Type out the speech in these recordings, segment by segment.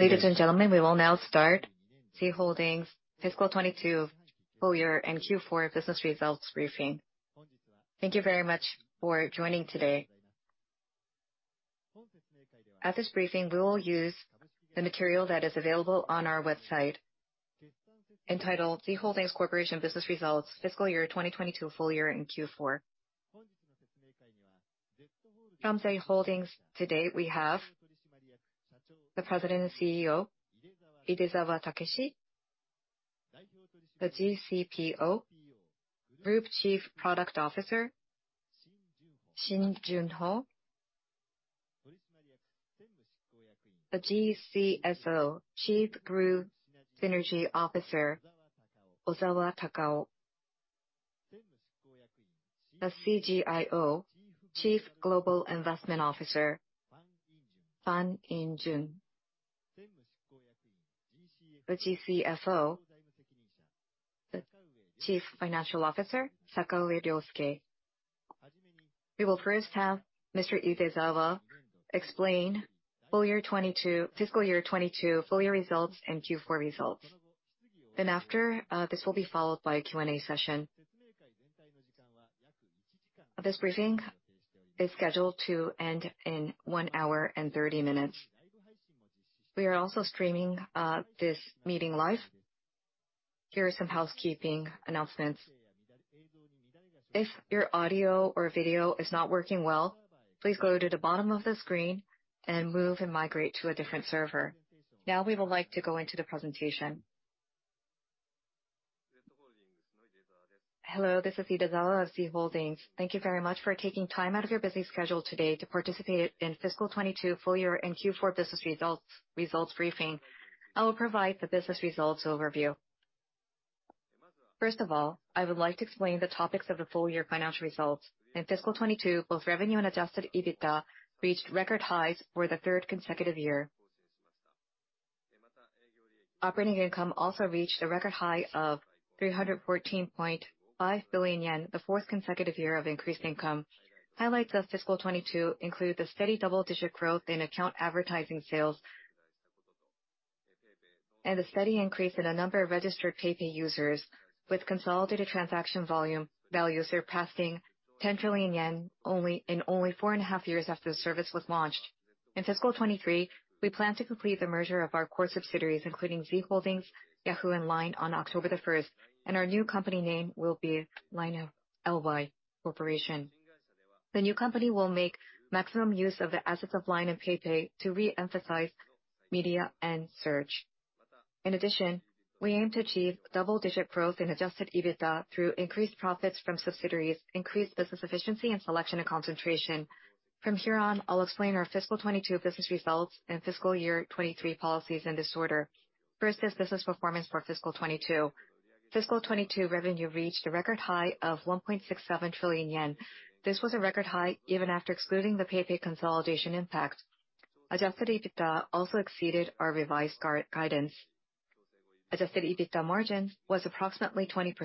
Ladies and gentlemen, we will now start Z Holdings Fiscal 2022 Full Year and Q4 Business Results Briefing. Thank you very much for joining today. At this briefing, we will use the material that is available on our website entitled Z Holdings Corporation Business Results Fiscal Year 2022 Full Year and Q4. From Z Holdings today we have the President and CEO, Idezawa Takeshi, the GCPO, Group Chief Product Officer, Jungho Shin. The GCSO, Chief Group Synergy Officer, Ozawa Takao. The CGIO, Chief Global Investment Officer, In Joon Hwang. The GCFO, the Chief Financial Officer, Sakaue Ryosuke. We will first have Mr. Idezawa explain fiscal year 2022 full year results and Q4 results. After, this will be followed by a Q&A session. This briefing is scheduled to end in 1 hour and 30 minutes. We are also streaming this meeting live. Here are some housekeeping announcements. If your audio or video is not working well, please go to the bottom of the screen and move and migrate to a different server. We would like to go into the presentation. Hello, this is Idezawa of Z Holdings. Thank you very much for taking time out of your busy schedule today to participate in fiscal 2022 full year and Q4 business results briefing. I will provide the business results overview. I would like to explain the topics of the full year financial results. In fiscal 2022, both revenue and adjusted EBITDA reached record highs for the third consecutive year. Operating income also reached a record high of 314.5 billion yen, the fourth consecutive year of increased income. Highlights of fiscal 2022 include the steady double-digit growth in account advertising sales and the steady increase in the number of registered PayPay users, with consolidated transaction volume values surpassing 10 trillion yen only, in only four and a half years after the service was launched. In fiscal 2023, we plan to complete the merger of our core subsidiaries, including Z Holdings, Yahoo, and LINE on October first, and our new company name will be LINE Y-LY Corporation. The new company will make maximum use of the assets of LINE and PayPay to re-emphasize media and search. In addition, we aim to achieve double-digit growth in adjusted EBITDA through increased profits from subsidiaries, increased business efficiency, and selection and concentration. From here on, I'll explain our fiscal 2022 business results and fiscal year 2023 policies in this order. First is business performance for fiscal 2022. Fiscal 2022 revenue reached a record high of 1.67 trillion yen. This was a record high even after excluding the PayPay consolidation impact. Adjusted EBITDA also exceeded our revised guidance. Adjusted EBITDA margin was approximately 20%.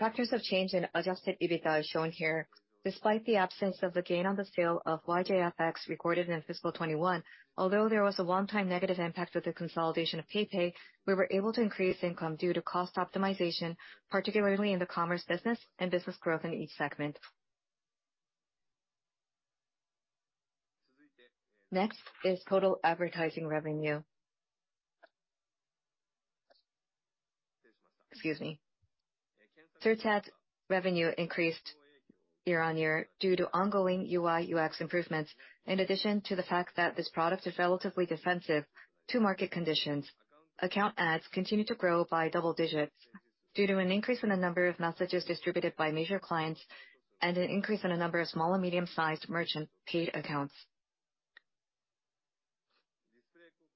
Factors of change in adjusted EBITDA is shown here. Despite the absence of the gain on the sale of YJFX recorded in fiscal 2021, although there was a one-time negative impact with the consolidation of PayPay, we were able to increase income due to cost optimization, particularly in the commerce business and business growth in each segment. Next is total advertising revenue. Excuse me. Search ads revenue increased year-on-year due to ongoing UI/UX improvements, in addition to the fact that this product is relatively defensive to market conditions. Account ads continued to grow by double digits due to an increase in the number of messages distributed by major clients and an increase in the number of small and medium-sized merchant paid accounts.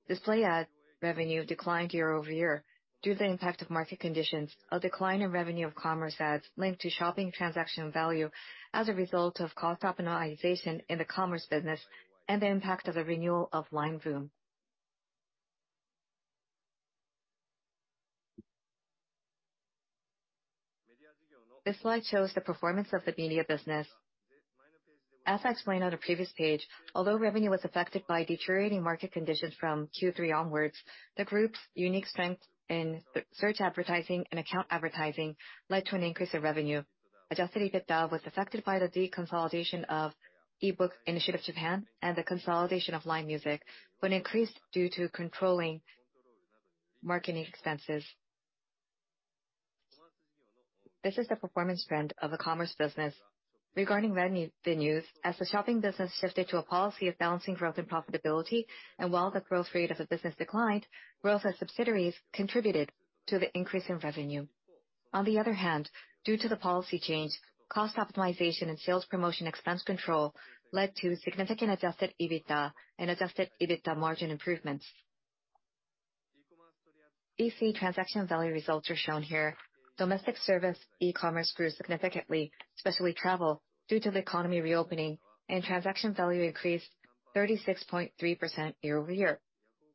Display ad revenue declined year-over-year due to the impact of market conditions, a decline in revenue of commerce ads linked to shopping transaction value as a result of cost optimization in the commerce business, and the impact of the renewal of LINE VOOM. This slide shows the performance of the media business. As I explained on the previous page, although revenue was affected by deteriorating market conditions from Q3 onwards, the group's unique strength in s-search advertising and account advertising led to an increase in revenue. Adjusted EBITDA was affected by the deconsolidation of eBOOK Initiative Japan and the consolidation of LINE MUSIC, but increased due to controlling marketing expenses. This is the performance trend of the commerce business. Regarding venue, the news as the shopping business shifted to a policy of balancing growth and profitability, and while the growth rate of the business declined, growth as subsidiaries contributed to the increase in revenue. On the other hand, due to the policy change, cost optimization and sales promotion expense control led to significant adjusted EBITDA and adjusted EBITDA margin improvements. EC transaction value results are shown here. Domestic service e-commerce grew significantly, especially travel, due to the economy reopening, and transaction value increased 36.3% year-over-year.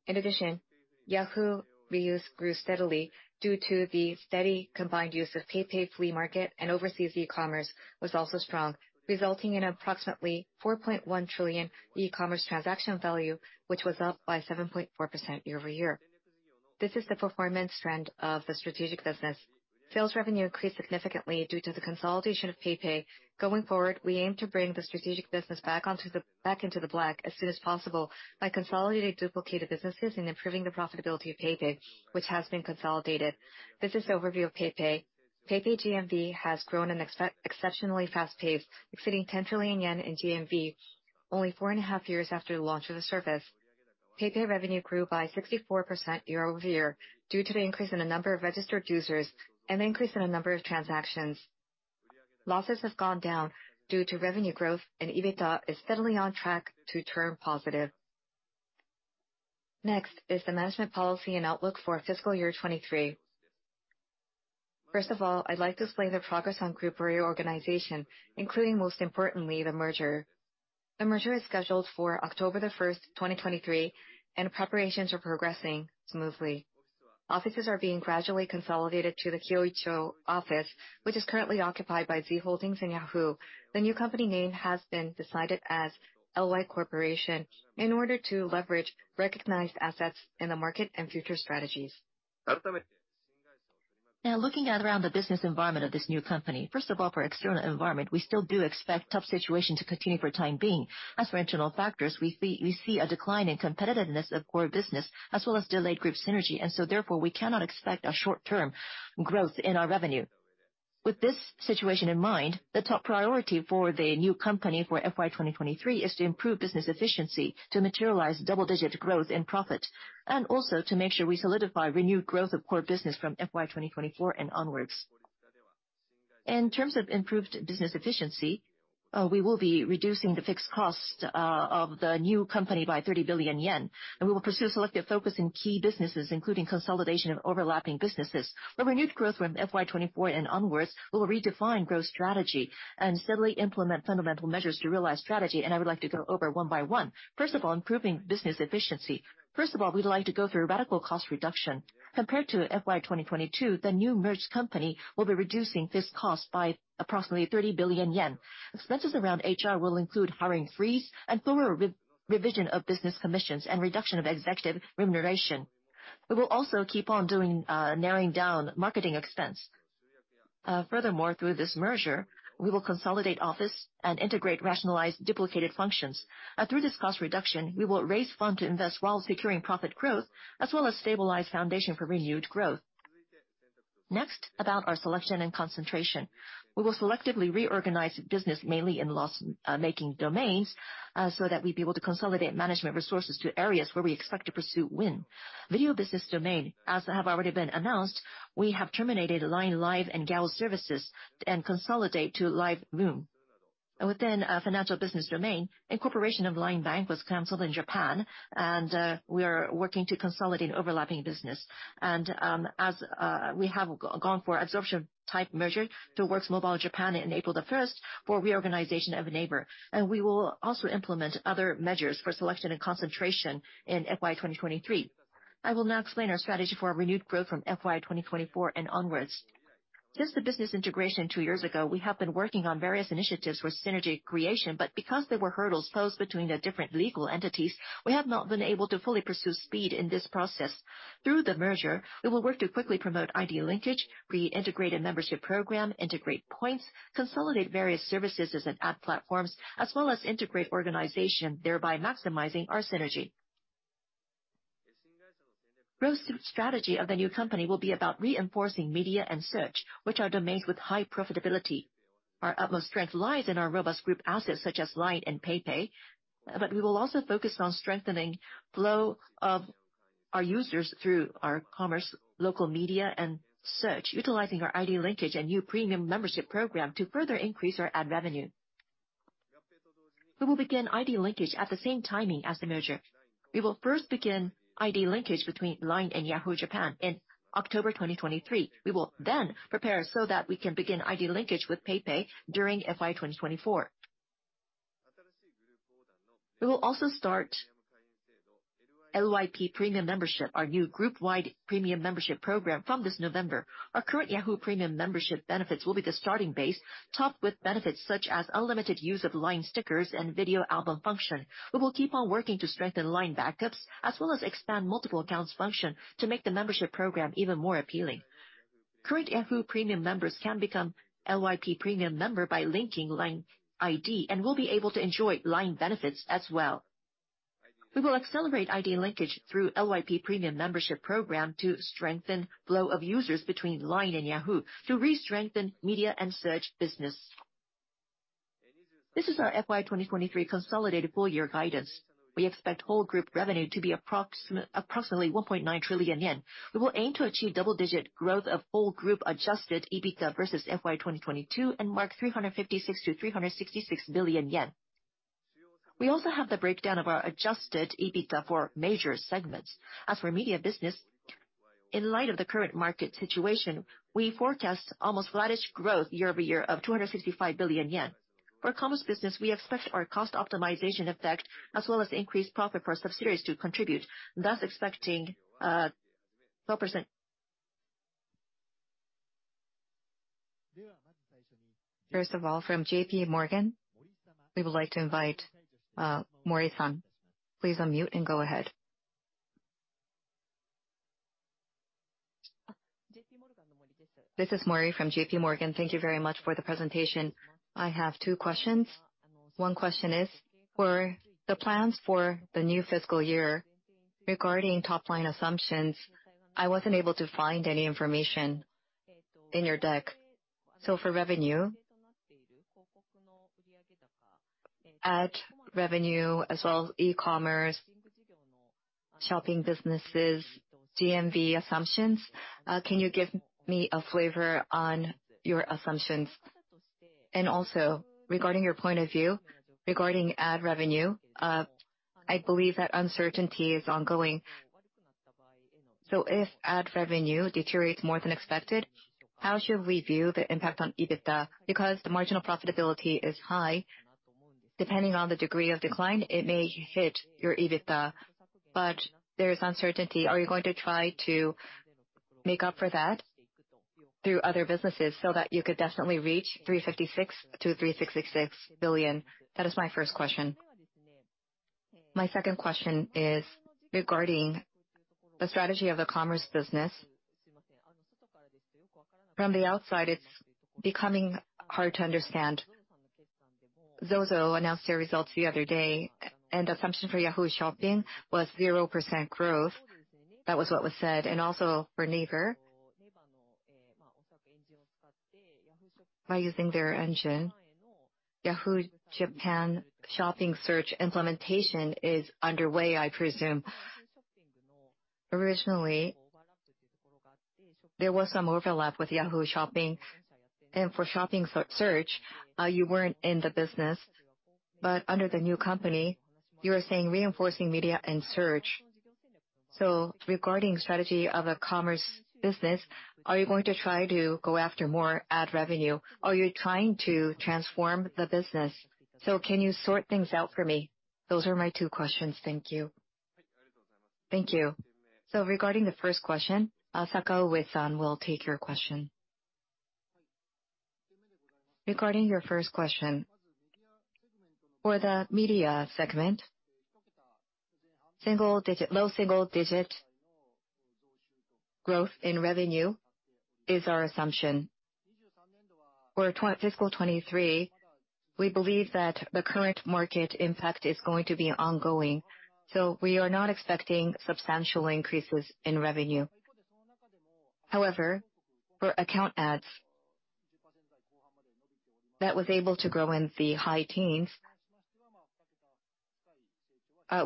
In addition, Yahoo! Reuse grew steadily due to the steady combined use of PayPay Flea Market and overseas e-commerce was also strong, resulting in approximately 4.1 trillion e-commerce transaction value, which was up by 7.4% year-over-year. This is the performance trend of the strategic business. Sales revenue increased significantly due to the consolidation of PayPay. Going forward, we aim to bring the strategic business back into the black as soon as possible by consolidating duplicated businesses and improving the profitability of PayPay, which has been consolidated. This is the overview of PayPay. PayPay GMV has grown an exceptionally fast pace, exceeding 10 trillion yen in GMV only four and a half years after the launch of the service. PayPay revenue grew by 64% year-over-year due to the increase in the number of registered users and an increase in the number of transactions. Losses have gone down due to revenue growth. EBITDA is steadily on track to turn positive. Next is the management policy and outlook for fiscal year 2023. First of all, I'd like to explain the progress on group reorganization, including, most importantly, the merger. The merger is scheduled for October 1st, 2023. Preparations are progressing smoothly. Offices are being gradually consolidated to the Kyochuo office, which is currently occupied by Z Holdings and Yahoo. The new company name has been decided as LY Corporation in order to leverage recognized assets in the market and future strategies. Now, looking at around the business environment of this new company. First of all, for external environment, we still do expect tough situation to continue for time being. As for internal factors, we see a decline in competitiveness of core business, as well as delayed group synergy. Therefore, we cannot expect a short-term growth in our revenue. With this situation in mind, the top priority for the new company for FY 2023 is to improve business efficiency to materialize double-digit growth in profit, and also to make sure we solidify renewed growth of core business from FY 2024 and onwards. In terms of improved business efficiency, we will be reducing the fixed cost of the new company by 30 billion yen, and we will pursue selective focus in key businesses, including consolidation of overlapping businesses. The renewed growth from FY 2024 and onwards will redefine growth strategy and steadily implement fundamental measures to realize strategy. I would like to go over one by one. First of all, improving business efficiency. First of all, we'd like to go through radical cost reduction. Compared to FY 2022, the new merged company will be reducing fixed cost by approximately 30 billion yen. Expenses around HR will include hiring freeze and thorough re-revision of business commissions and reduction of executive remuneration. We will also keep on doing narrowing down marketing expense. Furthermore, through this merger, we will consolidate office and integrate rationalized duplicated functions. Through this cost reduction, we will raise fund to invest while securing profit growth, as well as stabilize foundation for renewed growth. Next, about our selection and concentration. We will selectively reorganize business mainly in loss making domains so that we'd be able to consolidate management resources to areas where we expect to pursue win. Video business domain, as have already been announced, we have terminated LINE LIVE and GALA services and consolidate to LIVE ROOM. Within a financial business domain, incorporation of LINE Bank was canceled in Japan, and we are working to consolidate overlapping business. As we have gone for absorption type merger to Works Mobile Japan in April the first for reorganization of NAVER. We will also implement other measures for selection and concentration in FY 2023. I will now explain our strategy for our renewed growth from FY 2024 and onwards. Since the business integration two years ago, we have been working on various initiatives for synergy creation, but because there were hurdles posed between the different legal entities, we have not been able to fully pursue speed in this process. Through the merger, we will work to quickly promote ID linkage, reintegrate a membership program, integrate points, consolidate various services as in ad platforms, as well as integrate organization, thereby maximizing our synergy. Growth strategy of the new company will be about reinforcing media and search, which are domains with high profitability. Our utmost strength lies in our robust group assets such as LINE and PayPay, but we will also focus on strengthening flow of our users through our commerce, local media, and search, utilizing our ID linkage and new premium membership program to further increase our ad revenue. We will begin ID linkage at the same timing as the merger. We will first begin ID linkage between LINE and Yahoo Japan in October 2023. We will prepare so that we can begin ID linkage with PayPay during FY 2024. We will also start LYP Premium Membership, our new group-wide premium membership program, from this November. Our current Yahoo Premium Membership benefits will be the starting base, topped with benefits such as unlimited use of LINE stickers and video album function. We will keep on working to strengthen LINE backups as well as expand multiple accounts function to make the membership program even more appealing. Current Yahoo Premium members can become LYP Premium member by linking LINE ID and will be able to enjoy LINE benefits as well. We will accelerate ID linkage through LYP Premium Membership program to strengthen flow of users between LINE and Yahoo to re-strengthen media and search business. This is our FY 2023 consolidated full year guidance. We expect whole group revenue to be approximately 1.9 trillion yen. We will aim to achieve double-digit growth of whole group adjusted EBITDA versus FY 2022 and mark 356-366 billion yen. We also have the breakdown of our adjusted EBITDA for major segments. As for media business In light of the current market situation, we forecast almost flattish growth year-over-year of 265 billion yen. For commerce business, we expect our cost optimization effect as well as increased profit per sub-series to contribute, thus expecting 12%. First of all, from JPMorgan, we would like to invite Mori-san. Please unmute and go ahead. This is Mori from JPMorgan. Thank you very much for the presentation. I have two questions. One question is, for the plans for the new fiscal year regarding top-line assumptions, I wasn't able to find any information in your deck. For revenue, ad revenue as well as e-commerce, shopping businesses, GMV assumptions, can you give me a flavor on your assumptions? Regarding your point of view regarding ad revenue, I believe that uncertainty is ongoing. If ad revenue deteriorates more than expected, how should we view the impact on EBITDA? Because the marginal profitability is high, depending on the degree of decline, it may hit your EBITDA. There is uncertainty. Are you going to try to make up for that through other businesses so that you could definitely reach 356-366 billion? That is my first question. My second question is regarding the strategy of the commerce business. From the outside, it's becoming hard to understand. ZOZO announced their results the other day, and assumption for Yahoo Shopping was 0% growth. That was what was said. Also for NAVER, by using their engine, Yahoo Japan Shopping search implementation is underway, I presume. Originally, there was some overlap with Yahoo Shopping. For shopping search, you weren't in the business, but under the new company, you were saying reinforcing media and search. Regarding strategy of a commerce business, are you going to try to go after more ad revenue? Are you trying to transform the business? Can you sort things out for me? Those are my two questions. Thank you. Thank you. Regarding the first question, Asakawa-san will take your question. Regarding your first question, for the media segment, single-digit, low single-digit growth in revenue is our assumption. For fiscal 2023, we believe that the current market impact is going to be ongoing, we are not expecting substantial increases in revenue. However, for account ads, that was able to grow in the high teens,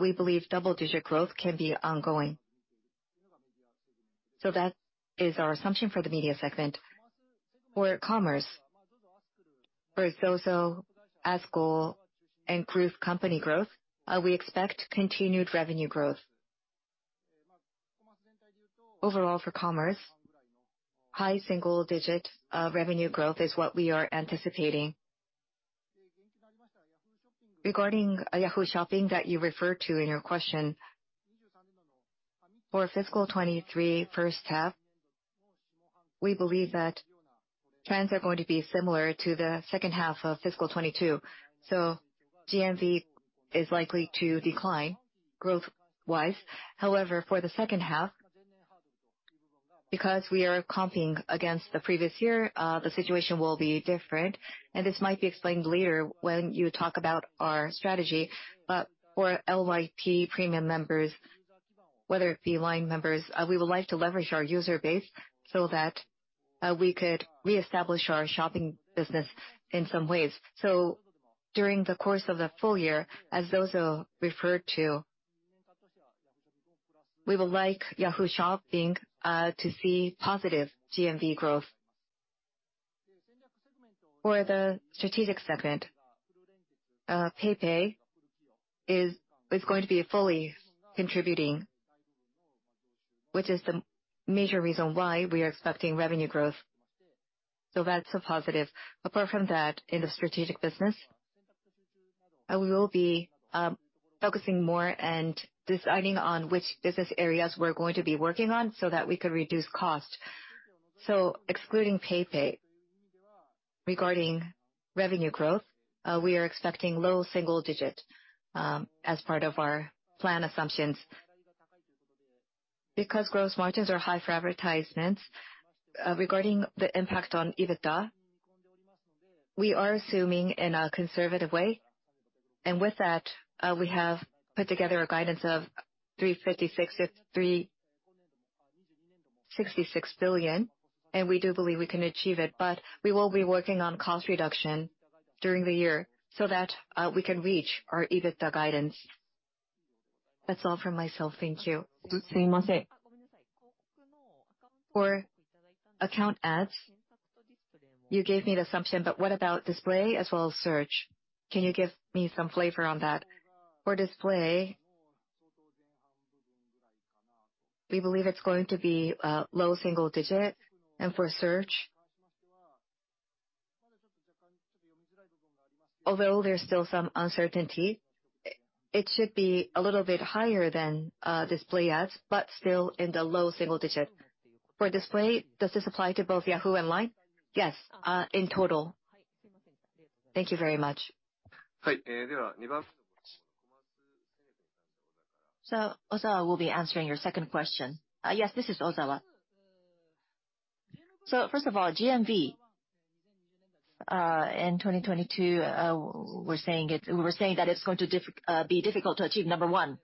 we believe double-digit growth can be ongoing. That is our assumption for the media segment. For commerce, for ZOZO, ASKUL, and group company growth, we expect continued revenue growth. Overall for commerce, high single-digit revenue growth is what we are anticipating. Regarding Yahoo Shopping that you referred to in your question, for fiscal 2023 first half, we believe that trends are going to be similar to the second half of fiscal 2022. GMV is likely to decline growth-wise. For the second half, because we are comping against the previous year, the situation will be different, and this might be explained later when you talk about our strategy. For LYP Premium members, whether it be LINE members, we would like to leverage our user base so that we could reestablish our shopping business in some ways. During the course of the full year, as ZOZO referred to, we would like Yahoo Shopping to see positive GMV growth. For the strategic segment, PayPay is going to be fully contributing, which is the major reason why we are expecting revenue growth. That's a positive. Apart from that, in the strategic business, we will be focusing more and deciding on which business areas we're going to be working on so that we could reduce cost. Excluding PayPay, regarding revenue growth, we are expecting low single digit as part of our plan assumptions. Because gross margins are high for advertisements, regarding the impact on EBITDA, we are assuming in a conservative way. With that, we have put together a guidance of 356-366 billion, and we do believe we can achieve it. We will be working on cost reduction during the year so that we can reach our EBITDA guidance. That's all from myself. Thank you. For account ads. You gave me the assumption, but what about display as well as search? Can you give me some flavor on that? For display, we believe it's going to be, low single digit. For search, although there's still some uncertainty, it should be a little bit higher than, display ads, but still in the low single digit. For display, does this apply to both Yahoo and LINE? Yes, in total. Thank you very much. Ozawa will be answering your second question. Yes, this is Ozawa. First of all, GMV, in 2022, we were saying that it's going to be difficult to achieve number one.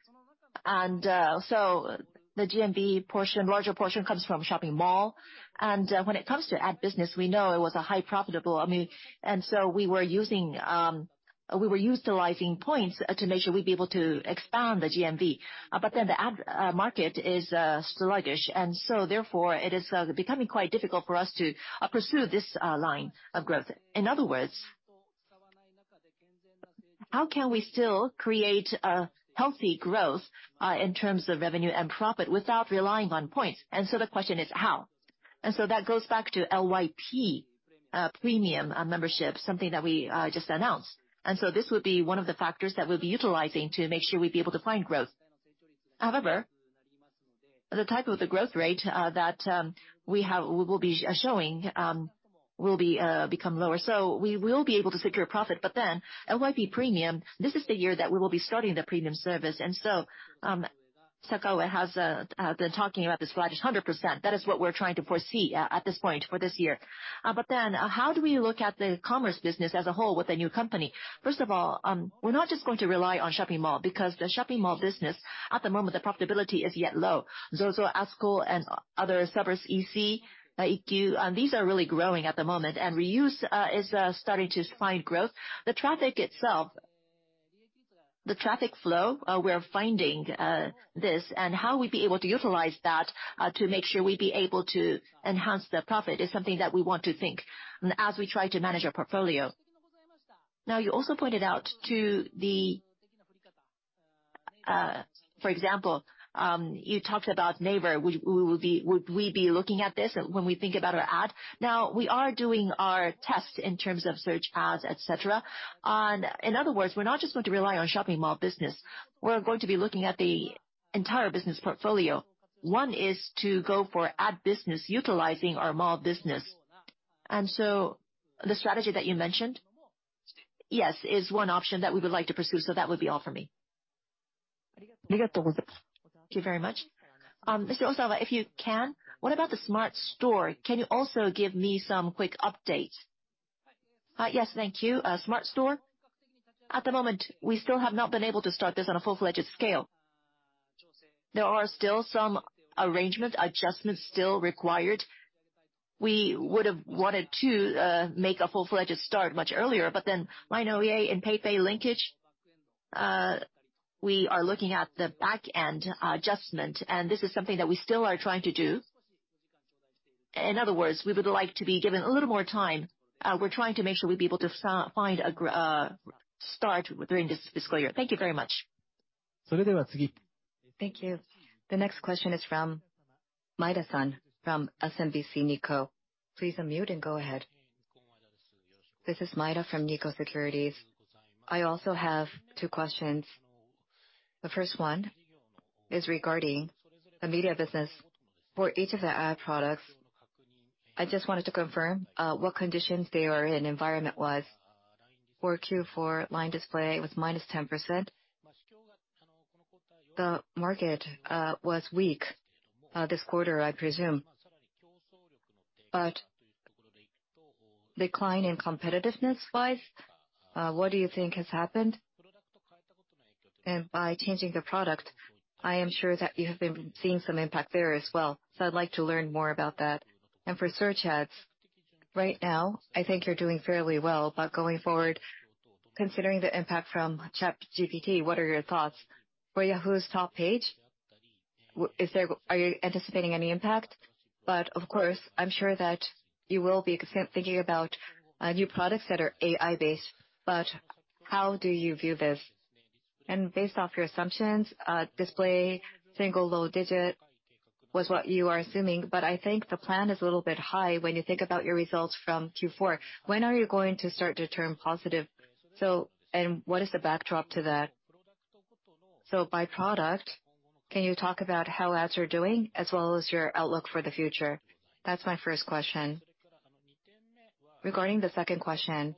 The GMV portion, larger portion comes from shopping mall. When it comes to ad business, we know it was a high profitable. I mean, we were using, we were utilizing points to make sure we'd be able to expand the GMV. The ad market is sluggish, therefore it is becoming quite difficult for us to pursue this line of growth. In other words, how can we still create a healthy growth in terms of revenue and profit without relying on points? The question is how. That goes back to LYP Premium membership, something that we just announced. This would be one of the factors that we'll be utilizing to make sure we'd be able to find growth. However, the type of the growth rate that we will be showing will become lower. We will be able to secure profit. LYP Premium, this is the year that we will be starting the premium service. Sakawa has been talking about the sluggish 100%. That is what we're trying to foresee at this point for this year. How do we look at the commerce business as a whole with the new company? We're not just going to rely on shopping mall, because the shopping mall business, at the moment, the profitability is yet low. ZOZO, ASKUL, and other servers, EC, EQ, these are really growing at the moment, and reuse is starting to find growth. The traffic itself, the traffic flow, we're finding this and how we'd be able to utilize that to make sure we'd be able to enhance the profit is something that we want to think as we try to manage our portfolio. You also pointed out to the, for example, you talked about NAVER. Would we be looking at this when we think about our ad? We are doing our tests in terms of search ads, et cetera. In other words, we're not just going to rely on shopping mall business. We're going to be looking at the entire business portfolio. One is to go for ad business utilizing our mall business. The strategy that you mentioned, yes, is one option that we would like to pursue. That would be all for me. Thank you very much. Mr. Ozawa, if you can, what about the Smart Store? Can you also give me some quick update? Yes, thank you. Smart Store, at the moment, we still have not been able to start this on a full-fledged scale. There are still some arrangement, adjustments still required. We would've wanted to make a full-fledged start much earlier, but then LINE OA and PayPay linkage, we are looking at the back end adjustment, and this is something that we still are trying to do. In other words, we would like to be given a little more time. We're trying to make sure we'd be able to find a start during this fiscal year. Thank you very much. Thank you. The next question is from Maeda-san from SMBC Nikko. Please unmute and go ahead. This is Maeda from Nikko Securities. I also have two questions. The first one is regarding the media business. For each of the ad products, I just wanted to confirm what conditions they are in environment-wise. For Q4 LINE display, it was minus 10%. The market was weak this quarter, I presume. Decline in competitiveness-wise, what do you think has happened? By changing the product, I am sure that you have been seeing some impact there as well, so I'd like to learn more about that. For search ads, right now I think you're doing fairly well, but going forward, considering the impact from ChatGPT, what are your thoughts? For Yahoo!'s top page, are you anticipating any impact? Of course, I'm sure that you will be thinking about new products that are AI-based, but how do you view this? Based off your assumptions, display single low digit was what you are assuming, but I think the plan is a little bit high when you think about your results from Q4. When are you going to start to turn positive, so, and what is the backdrop to that? By product, can you talk about how ads are doing as well as your outlook for the future? That's my first question. Regarding the second question,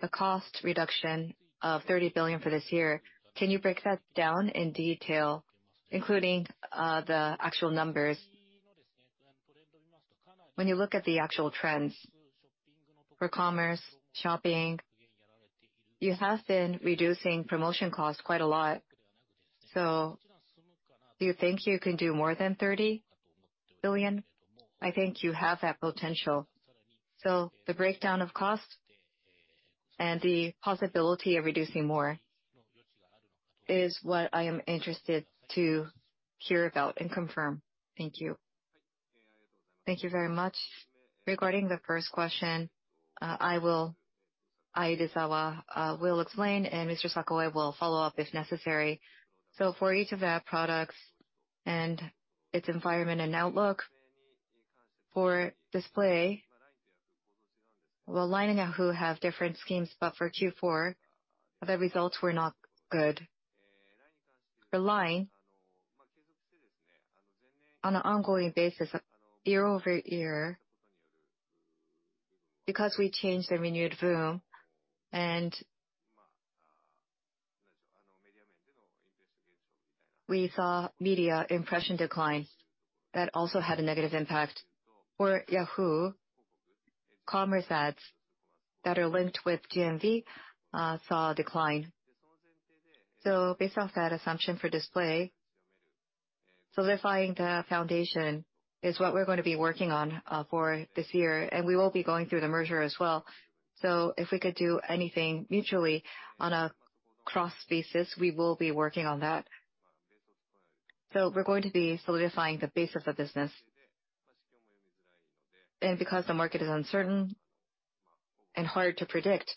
the cost reduction of 30 billion for this year, can you break that down in detail, including the actual numbers? When you look at the actual trends for commerce, shopping, you have been reducing promotion costs quite a lot. Do you think you can do more than 30 billion? I think you have that potential. The breakdown of cost and the possibility of reducing more. Is what I am interested to hear about and confirm. Thank you. Thank you very much. Regarding the first question, I will, Aida-Sawa, will explain, and Mr. Sakaue will follow up if necessary. For each of the products and its environment and outlook, for display, well, LINE and Yahoo have different schemes, but for Q4, the results were not good. For LINE, on an ongoing basis, year-over-year, because we changed the renewed VOOM and we saw media impression decline, that also had a negative impact. For Yahoo, commerce ads that are linked with GMV saw a decline. Based off that assumption for display, solidifying the foundation is what we're going to be working on for this year, and we will be going through the merger as well. If we could do anything mutually on a cross-basis, we will be working on that. We're going to be solidifying the base of the business. Because the market is uncertain and hard to predict,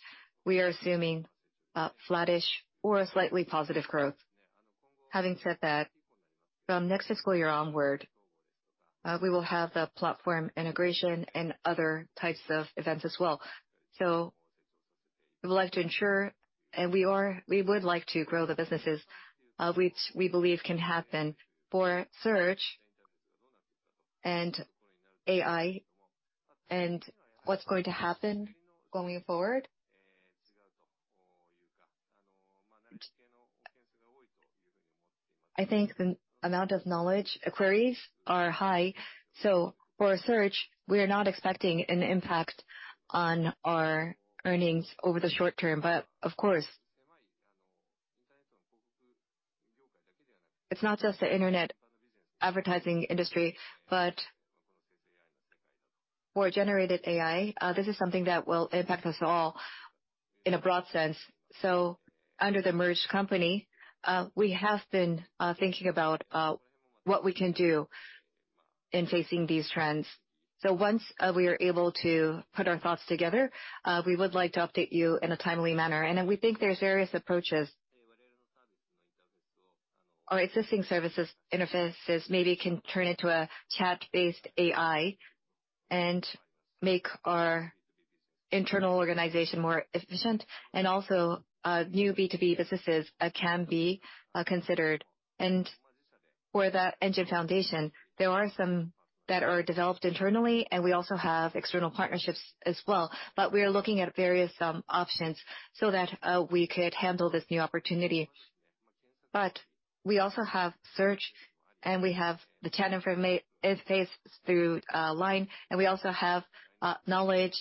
we are assuming a flattish or a slightly positive growth. Having said that, from next fiscal year onward, we will have the platform integration and other types of events as well. We would like to ensure, and we would like to grow the businesses, which we believe can happen. For search and AI and what's going to happen going forward, I think the amount of knowledge queries are high. For search, we are not expecting an impact on our earnings over the short term. Of course, it's not just the internet advertising industry, but for generated AI, this is something that will impact us all in a broad sense. Under the merged company, we have been thinking about what we can do in facing these trends. Once we are able to put our thoughts together, we would like to update you in a timely manner. We think there's various approaches. Our existing services interfaces maybe can turn into a chat-based AI and make our internal organization more efficient. New B2B businesses can be considered. For the engine foundation, there are some that are developed internally, and we also have external partnerships as well. We are looking at various options so that we could handle this new opportunity. We also have search, and we have the chat interface through LINE, and we also have knowledge,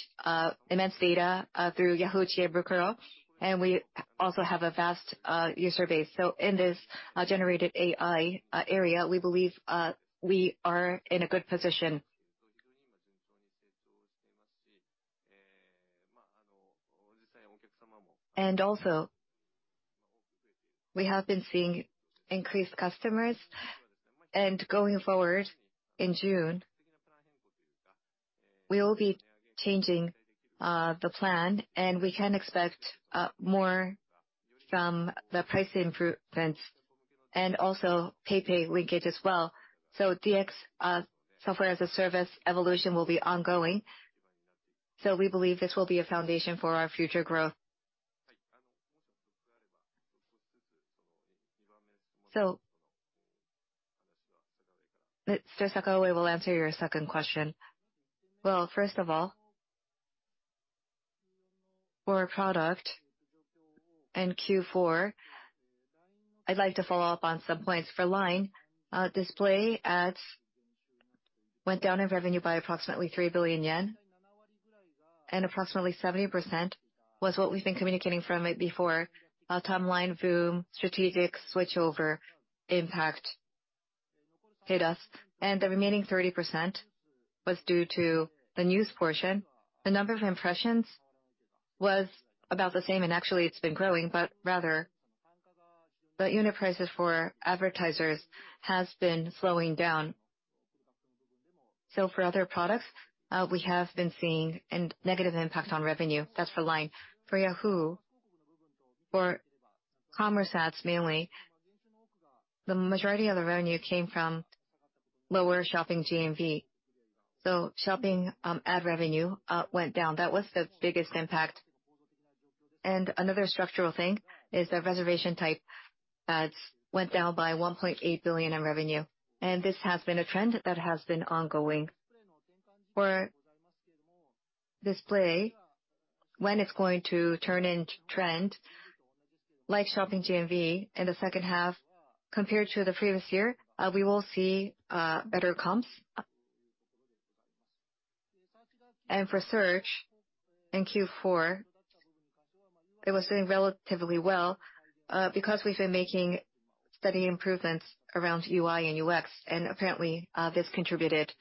immense data through Yahoo! Chiebukuro, and we also have a vast user base. In this generated AI area, we believe we are in a good position. Also, we have been seeing increased customers. Going forward, in June, we will be changing the plan, and we can expect more from the price improvements and also PayPay linkage as well. DX, software as a service evolution will be ongoing. We believe this will be a foundation for our future growth. Mr. Sakaue will answer your second question. Well, first of all, for our product in Q4, I'd like to follow up on some points. For LINE, display ads went down in revenue by approximately 3 billion yen, and approximately 70% was what we've been communicating from it before, LINE VOOM strategic switchover impact hit us. The remaining 30% was due to the news portion. The number of impressions was about the same, and actually it's been growing, but rather the unit prices for advertisers has been slowing down. For other products, we have been seeing a negative impact on revenue. That's for LINE. For Yahoo, for commerce ads mainly, the majority of the revenue came from lower shopping GMV. Shopping ad revenue went down. That was the biggest impact. Another structural thing is the reservation-type ads went down by 1.8 billion in revenue. This has been a trend that has been ongoing. For display, when it's going to turn into trend, like shopping GMV in the second half compared to the previous year, we will see better comps. For search in Q4, it was doing relatively well, because we've been making. Study improvements around UI and UX, and apparently, this contributed.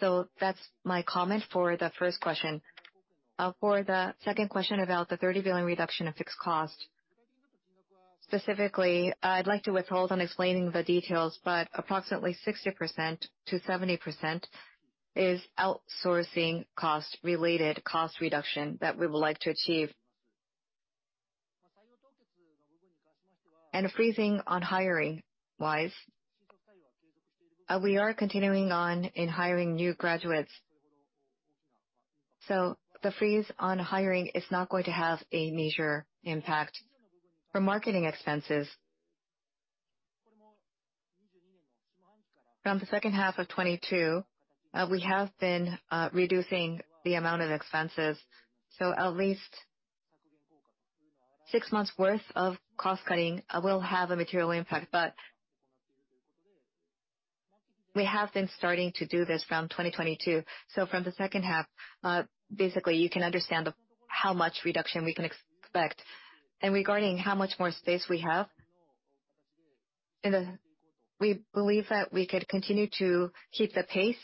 That's my comment for the first question. For the second question about the 30 billion reduction of fixed cost, specifically, I'd like to withhold on explaining the details, but approximately 60%-70% is outsourcing cost related cost reduction that we would like to achieve. Freezing on hiring-wise, we are continuing on in hiring new graduates. The freeze on hiring is not going to have a major impact. For marketing expenses, from the second half of 2022, we have been reducing the amount of expenses, so at least 6 months' worth of cost-cutting will have a material impact. We have been starting to do this from 2022. From the second half, basically you can understand the, how much reduction we can expect. Regarding how much more space we have. We believe that we could continue to keep the pace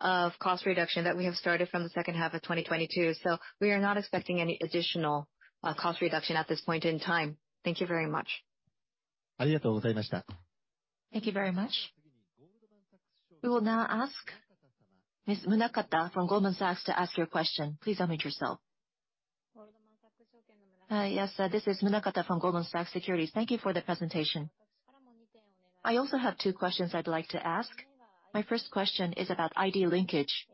of cost reduction that we have started from the second half of 2022. We are not expecting any additional cost reduction at this point in time. Thank you very much. Thank you very much. We will now ask Ms. Munakata from Goldman Sachs to ask your question. Please unmute yourself. Yes, this is Munakata from Goldman Sachs Securities. Thank you for the presentation. I also have two questions I'd like to ask. My first question is about ID linkage.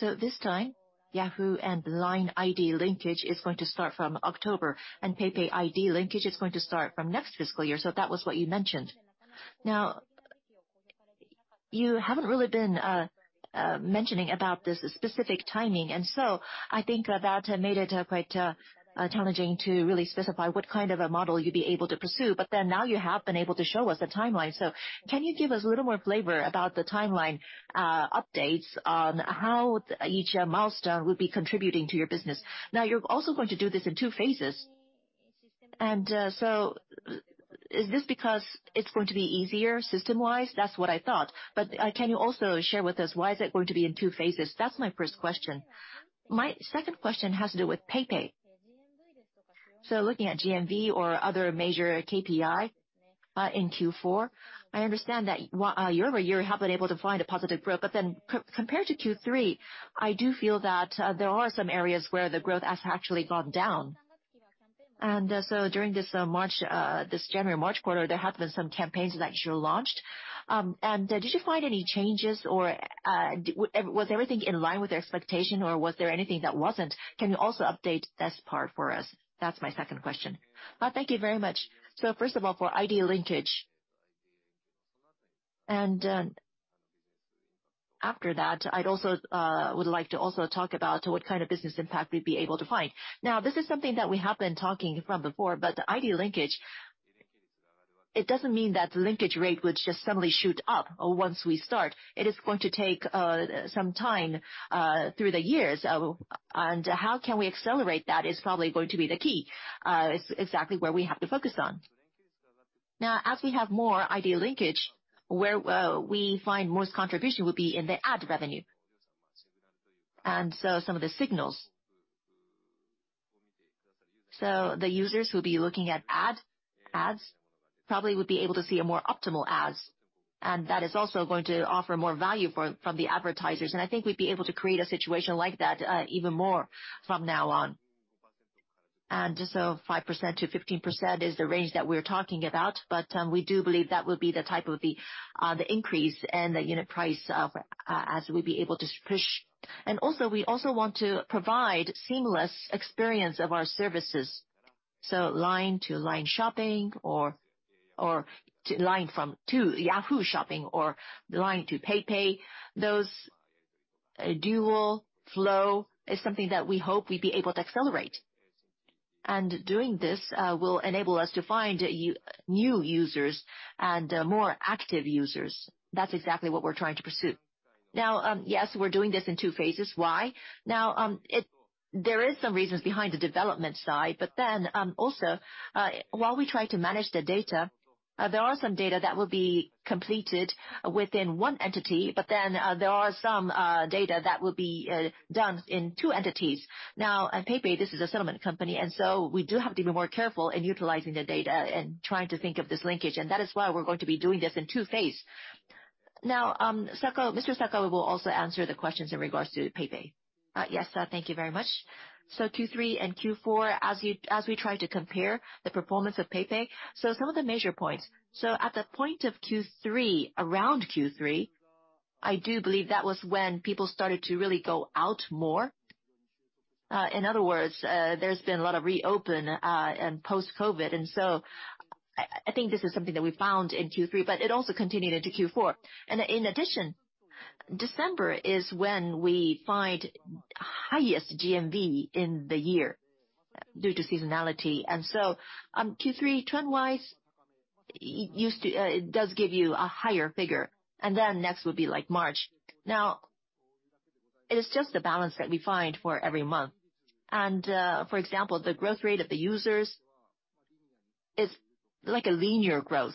This time, Yahoo and LINE ID linkage is going to start from October, and PayPay ID linkage is going to start from next fiscal year. That was what you mentioned. You haven't really been mentioning about this specific timing, and I think that made it quite challenging to really specify what kind of a model you'd be able to pursue. Now you have been able to show us the timeline. Can you give us a little more flavor about the timeline updates on how each milestone would be contributing to your business? You're also going to do this in two phases. Is this because it's going to be easier system-wise? That's what I thought. Can you also share with us why is it going to be in two phases? That's my first question. My second question has to do with PayPay. Looking at GMV or other major KPI in Q4, I understand that year-over-year you have been able to find a positive growth. Compared to Q3, I do feel that there are some areas where the growth has actually gone down. During this March, this January-March quarter, there have been some campaigns that you launched. Did you find any changes or was everything in line with your expectation, or was there anything that wasn't? Can you also update this part for us? That's my second question. Thank you very much. First of all, for ID linkage, and after that, I'd also would like to also talk about what kind of business impact we'd be able to find. This is something that we have been talking from before, but the ID linkage, it doesn't mean that the linkage rate would just suddenly shoot up once we start. It is going to take some time through the years. How can we accelerate that is probably going to be the key exactly where we have to focus on. As we have more ID linkage, where we find most contribution would be in the ad revenue, and so some of the signals. The users who'll be looking at ads probably would be able to see a more optimal ads, and that is also going to offer more value for, from the advertisers. I think we'd be able to create a situation like that even more from now on. 5%-15% is the range that we're talking about, but we do believe that will be the type of the increase and the unit price of as we'd be able to push. Also, we also want to provide seamless experience of our services. LINE to LINE Shopping or LINE to Yahoo Shopping or LINE to PayPay, those dual flow is something that we hope we'd be able to accelerate. Doing this will enable us to find new users and more active users. That's exactly what we're trying to pursue. Now, yes, we're doing this in two phases. Why? Now, there is some reasons behind the development side, but then, also, while we try to manage the data, there are some data that will be completed within 1 entity, but then, there are some data that will be done in two entities. Now at PayPay, this is a settlement company, and so we do have to be more careful in utilizing the data and trying to think of this linkage. That is why we're going to be doing this in two phase. Now, Mr. Sakao will also answer the questions in regards to PayPay. Yes, thank you very much. Q3 and Q4, as we try to compare the performance of PayPay, so some of the major points. At the point of Q3, around Q3, I do believe that was when people started to really go out more. In other words, there's been a lot of reopen and post-COVID. I think this is something that we found in Q3, but it also continued into Q4. In addition, December is when we find highest GMV in the year due to seasonality. Q3 trend-wise, it used to, it does give you a higher figure, and then next would be like March. It is just the balance that we find for every month. For example, the growth rate of the users is like a linear growth.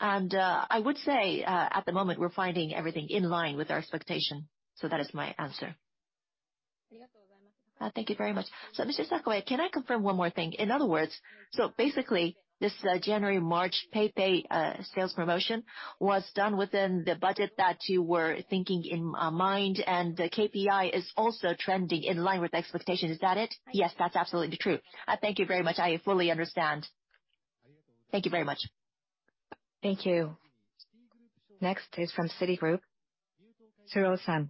I would say, at the moment, we're finding everything in line with our expectation. That is my answer. Thank you very much. Mr. Sakaue, can I confirm one more thing? In other words, so basically, this, January-March PayPay, sales promotion was done within the budget that you were thinking in, mind, and the KPI is also trending in line with expectation. Is that it? Yes, that's absolutely true. Thank you very much. I fully understand. Thank you very much. Thank you. Next is from Citigroup, Tsuruo San.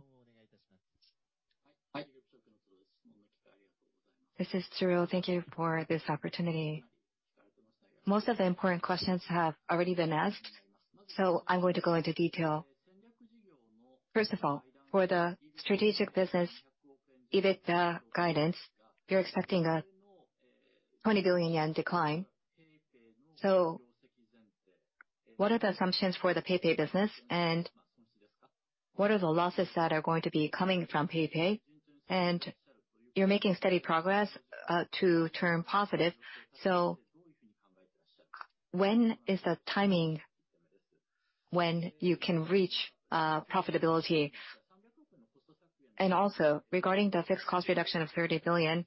This is Tsuruo. Thank you for this opportunity. Most of the important questions have already been asked. I'm going to go into detail. First of all, for the strategic business EBITDA guidance, you're expecting a 20 billion yen decline. What are the assumptions for the PayPay business, and what are the losses that are going to be coming from PayPay? You're making steady progress to turn positive, so when is the timing when you can reach profitability? Regarding the fixed cost reduction of 30 billion,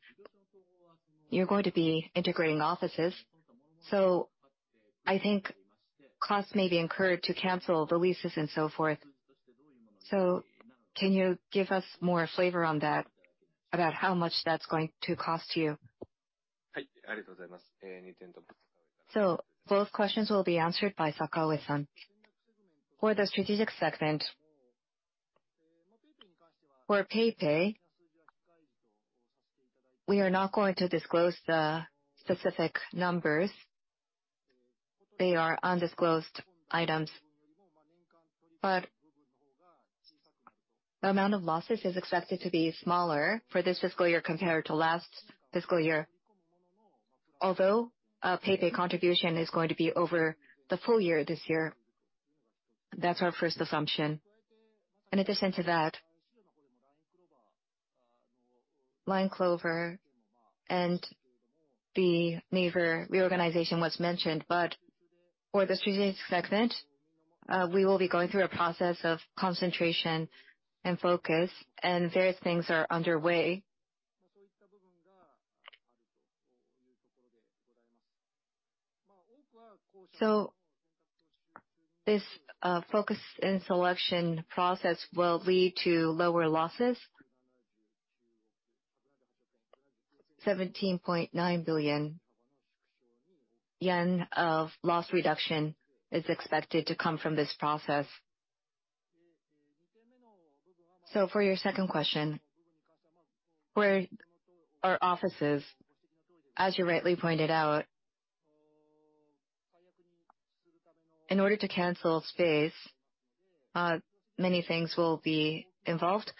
you're going to be integrating offices. I think costs may be incurred to cancel the leases and so forth. Can you give us more flavor on that, about how much that's going to cost you? Both questions will be answered by Sakawa-san. For the strategic segment, for PayPay, we are not going to disclose the specific numbers. They are undisclosed items. The amount of losses is expected to be smaller for this fiscal year compared to last fiscal year. Although PayPay contribution is going to be over the full year this year. That's our first assumption. In addition to that, LINE CLOVA and the NAVER reorganization was mentioned, for the strategic segment, we will be going through a process of concentration and focus, and various things are underway. This focus and selection process will lead to lower losses. JPY 17.9 billion of loss reduction is expected to come from this process. For your second question, for our offices, as you rightly pointed out, in order to cancel space, many things will be involved.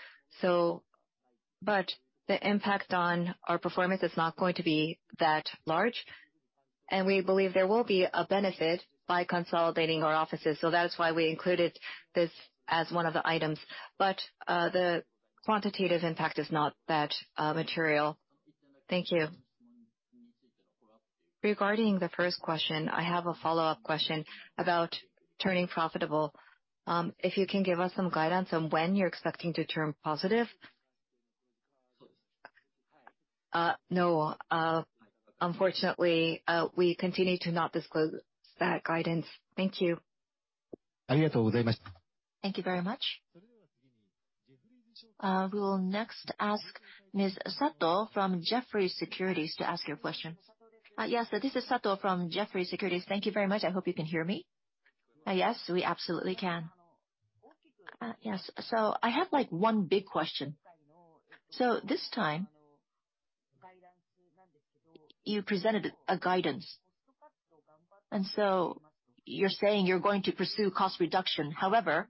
The impact on our performance is not going to be that large, and we believe there will be a benefit by consolidating our offices. That's why we included this as one of the items. The quantitative impact is not that material. Thank you. Regarding the first question, I have a follow-up question about turning profitable. If you can give us some guidance on when you're expecting to turn positive? No. Unfortunately, we continue to not disclose that guidance. Thank you. Thank you very much. We will next ask Ms. Sato from Jefferies Securities to ask your question. Yes, this is Sato from Jefferies Securities. Thank you very much. I hope you can hear me. Yes, we absolutely can. Yes. I have, like, one big question. This time, you presented a guidance, and you're saying you're going to pursue cost reduction. However,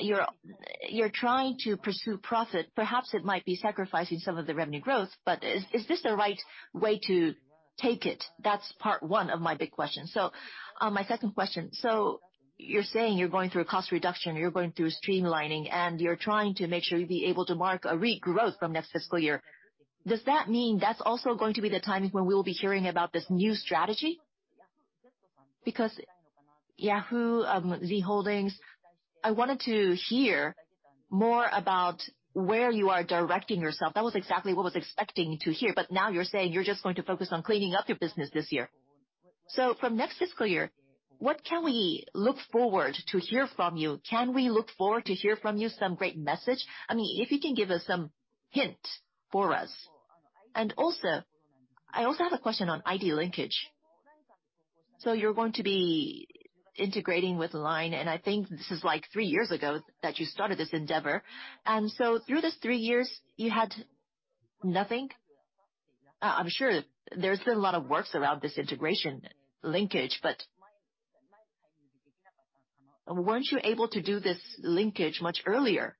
you're trying to pursue profit. Perhaps it might be sacrificing some of the revenue growth, but is this the right way to take it? That's part one of my big question. My second question. You're saying you're going through a cost reduction, you're going through streamlining, and you're trying to make sure you'll be able to mark a regrowth from next fiscal year. Does that mean that's also going to be the timing when we will be hearing about this new strategy? Because Yahoo, Z Holdings, I wanted to hear more about where you are directing yourself. That was exactly what I was expecting to hear. Now you're saying you're just going to focus on cleaning up your business this year. From next fiscal year, what can we look forward to hear from you? Can we look forward to hear from you some great message? I mean, if you can give us some hint for us. Also, I also have a question on ID linkage. You're going to be integrating with LINE, and I think this is like three years ago that you started this endeavor. Through those three years, you had nothing? I'm sure there's been a lot of work around this integration linkage, but weren't you able to do this linkage much earlier?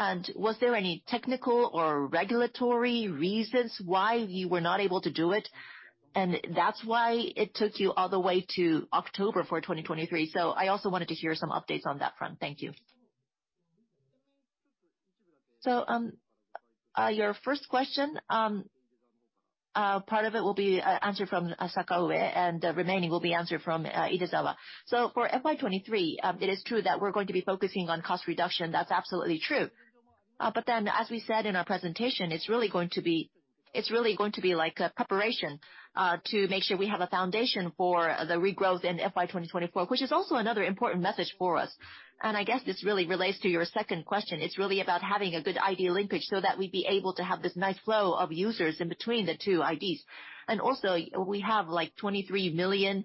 And was there any technical or regulatory reasons why you were not able to do it, and that's why it took you all the way to October for 2023? I also wanted to hear some updates on that front. Thank you. Your first question, part of it will be answered from Sakaue, and the remaining will be answered from Idezawa. For FY 2023, it is true that we're going to be focusing on cost reduction. That's absolutely true. As we said in our presentation, it's really going to be like a preparation to make sure we have a foundation for the regrowth in FY 2024, which is also another important message for us. I guess this really relates to your second question. It's really about having a good ID linkage so that we'd be able to have this nice flow of users in between the two IDs. Also, we have, like, 23 million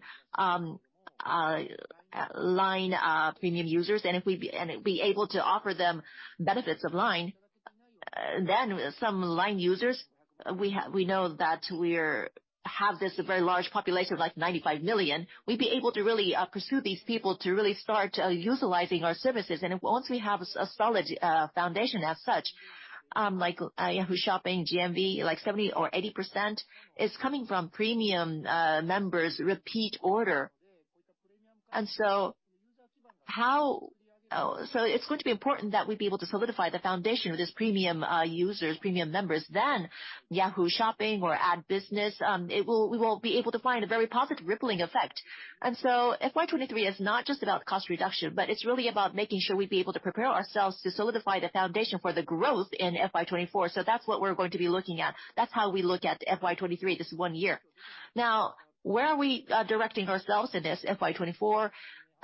LINE Premium users, and if we able to offer them benefits of LINE, then some LINE users, we know that we're, have this very large population of, like, 95 million. We'd be able to really pursue these people to really start utilizing our services. Once we have a solid foundation as such, like Yahoo! Shopping GMV, like 70%-80% is coming from premium members repeat order. It's going to be important that we'd be able to solidify the foundation of this premium users, premium members, then Yahoo! Shopping or ad business, we will be able to find a very positive rippling effect. FY 2023 is not just about cost reduction, but it's really about making sure we'd be able to prepare ourselves to solidify the foundation for the growth in FY 2024. That's what we're going to be looking at. That's how we look at FY 2023, this one year. Now, where are we directing ourselves in this FY 2024,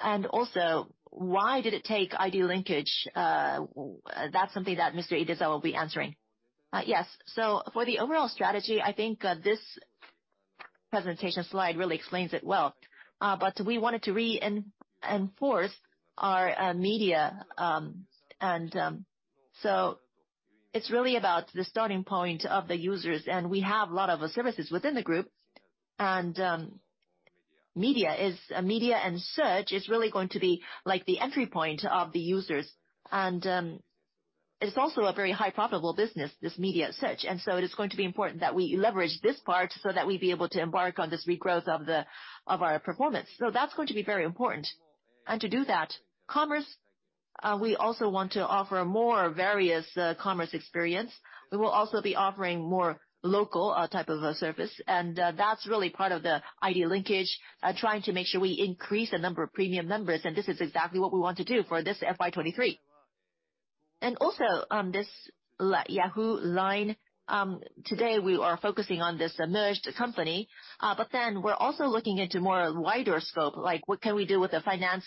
and also, why did it take ID linkage? That's something that Mr. Idezawa will be answering. For the overall strategy, I think this presentation slide really explains it well. But we wanted to reinforce our media, and it's really about the starting point of the users, and we have a lot of services within the group. Media is, media and search is really going to be, like, the entry point of the users. It's also a very high profitable business, this media and search. It is going to be important that we leverage this part so that we'd be able to embark on this regrowth of our performance. That's going to be very important. To do that, commerce, we also want to offer more various commerce experience. We will also be offering more local type of a service, and that's really part of the ID linkage, trying to make sure we increase the number of premium members, and this is exactly what we want to do for this FY 23. Also, this Yahoo, LINE, today we are focusing on this merged company, but then we're also looking into more wider scope, like what can we do with the finance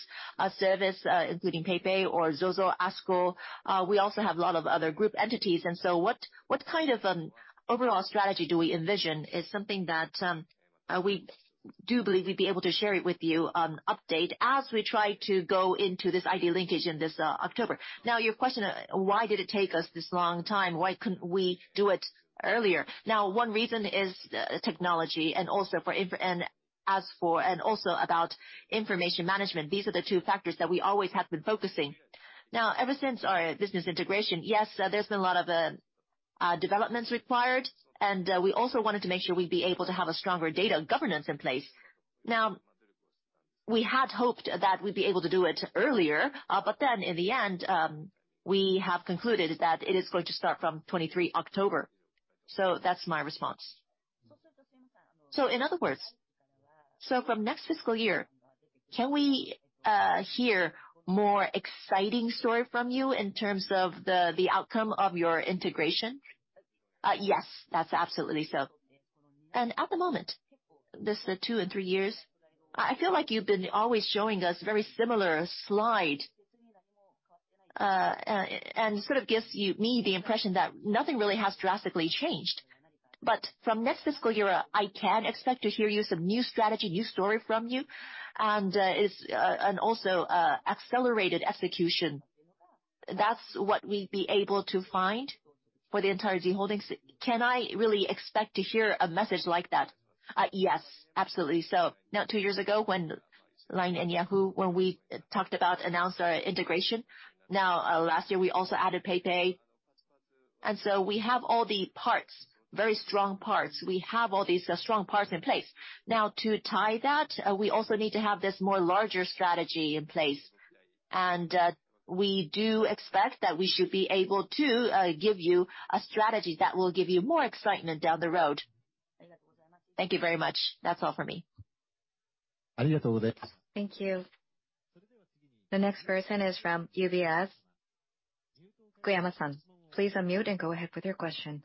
service, including PayPay or ZOZO, ASKUL. We also have a lot of other group entities. What kind of overall strategy do we envision is something that we do believe we'd be able to share it with you on update as we try to go into this ID linkage in this October. Your question, why did it take us this long time? Why couldn't we do it earlier? One reason is technology and also for information management. These are the two factors that we always have been focusing. Ever since our business integration, yes, there's been a lot of developments required, we also wanted to make sure we'd be able to have a stronger data governance in place. We had hoped that we'd be able to do it earlier, in the end, we have concluded that it is going to start from 23 October. That's my response. In other words, from next fiscal year, can we hear more exciting story from you in terms of the outcome of your integration? Yes, that's absolutely so. At the moment, this two and three years, I feel like you've been always showing us very similar slide. It sort of gives me the impression that nothing really has drastically changed. From next fiscal year, I can expect to hear you some new strategy, new story from you, and also accelerated execution. That's what we'd be able to find for the entire Z Holdings. Can I really expect to hear a message like that? Yes, absolutely so. Two years ago, when LINE and Yahoo, when we announced our integration, last year, we also added PayPay. We have all the parts, very strong parts. We have all these strong parts in place. To tie that, we also need to have this more larger strategy in place. We do expect that we should be able to give you a strategy that will give you more excitement down the road. Thank you very much. That's all for me. Thank you. The next person is from UBS. Zhai-san, please unmute and go ahead with your question.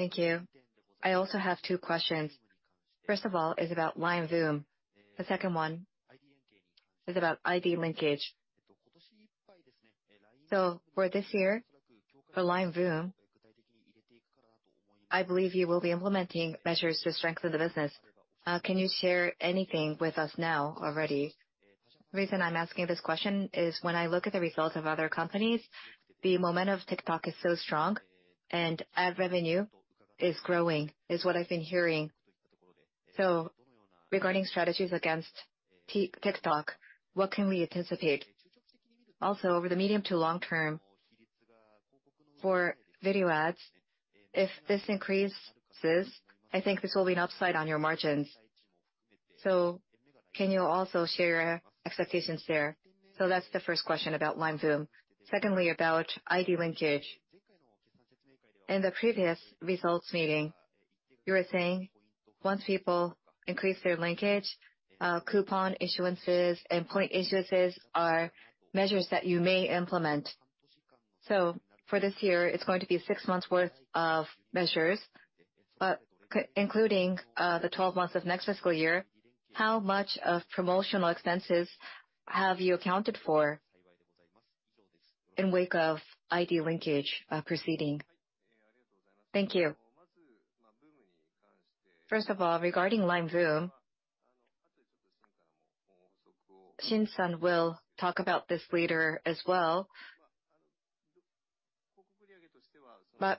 Thank you. I also have two questions. First of all is about LINE VOOM. The second one is about ID linkage. For this year, for LINE VOOM, I believe you will be implementing measures to strengthen the business. Can you share anything with us now already? The reason I'm asking this question is when I look at the results of other companies, the momentum of TikTok is so strong and ad revenue is growing, is what I've been hearing. Regarding strategies against TikTok, what can we anticipate? Also, over the medium to long term for video ads, if this increases, I think this will be an upside on your margins. Can you also share your expectations there? That's the first question about LINE VOOM. Secondly, about ID linkage. In the previous results meeting, you were saying once people increase their linkage, coupon issuances and point issuances are measures that you may implement. For this year, it's going to be 6 months worth of measures. Including the 12 months of next fiscal year, how much of promotional expenses have you accounted for in wake of ID linkage proceeding? Thank you. First of all, regarding LINE VOOM, Shin-san will talk about this later as well.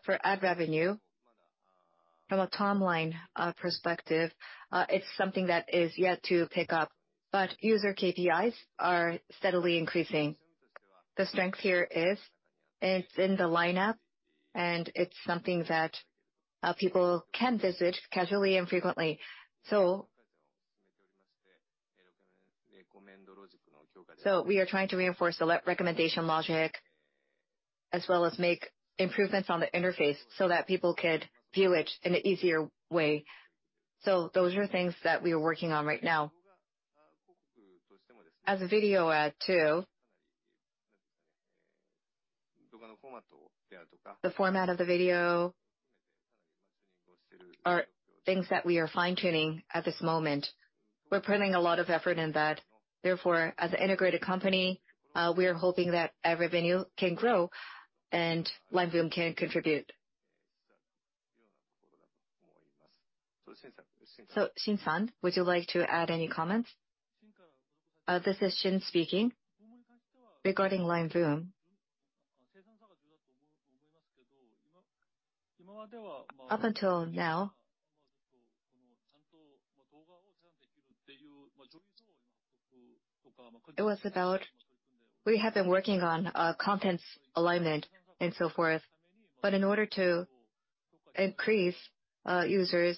For ad revenue, from a top line perspective, it's something that is yet to pick up. User KPIs are steadily increasing. The strength here is it's in the lineup, and it's something that people can visit casually and frequently. We are trying to reinforce the recommendation logic as well as make improvements on the interface so that people could view it in an easier way. Those are things that we are working on right now. As a video ad too, the format of the video are things that we are fine-tuning at this moment. We're putting a lot of effort in that. Therefore, as an integrated company, we are hoping that ad revenue can grow and LINE VOOM can contribute. Shin-san, would you like to add any comments? This is Shin speaking. Regarding LINE VOOM, up until now, it was about we have been working on contents alignment and so forth. In order to increase users,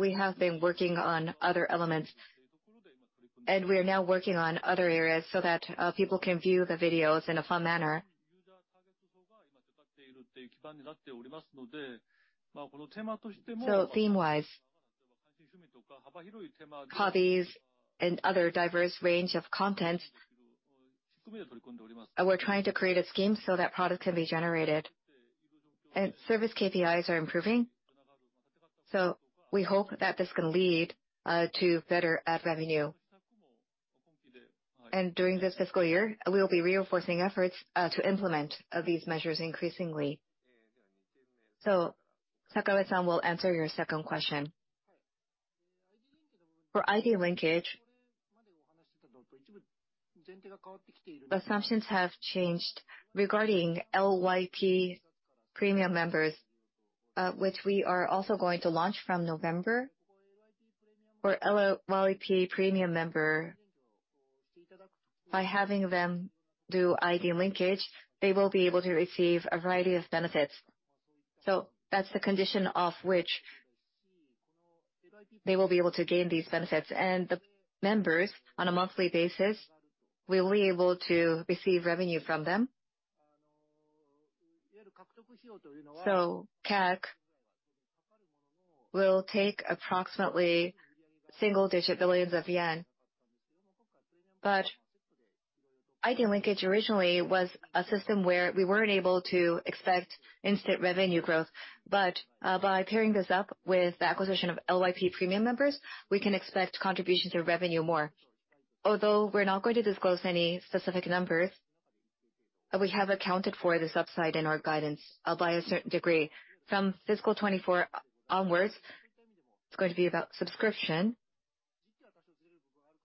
we have been working on other elements, and we are now working on other areas so that people can view the videos in a fun manner. Theme-wise, hobbies and other diverse range of content, we're trying to create a scheme so that product can be generated. Service KPIs are improving, so we hope that this can lead to better ad revenue. During this fiscal year, we will be reinforcing efforts to implement these measures increasingly. Sakawa-san will answer your second question. For ID linkage, assumptions have changed regarding LYP Premium members, which we are also going to launch from November. For LYP Premium member, by having them do ID linkage, they will be able to receive a variety of benefits. That's the condition of which they will be able to gain these benefits. The members on a monthly basis, we will be able to receive revenue from them. CAC will take approximately single digit billions of JPY. ID linkage originally was a system where we weren't able to expect instant revenue growth. By pairing this up with the acquisition of LYP Premium members, we can expect contributions of revenue more. Although we're not going to disclose any specific numbers, we have accounted for this upside in our guidance by a certain degree. From fiscal 2024 onwards, it's going to be about subscription.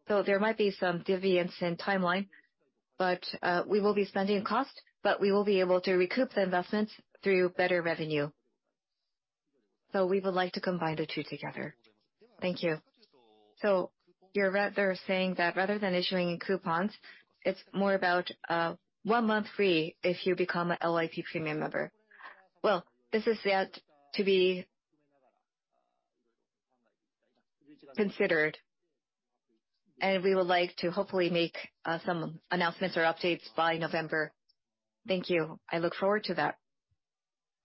There might be some deviance in timeline, but we will be spending cost, but we will be able to recoup the investments through better revenue. We would like to combine the two together. Thank you. You're saying that rather than issuing coupons, it's more about one month free if you become a LYP Premium member. This is yet to be considered, and we would like to hopefully make some announcements or updates by Nov ember. Thank you. I look forward to that.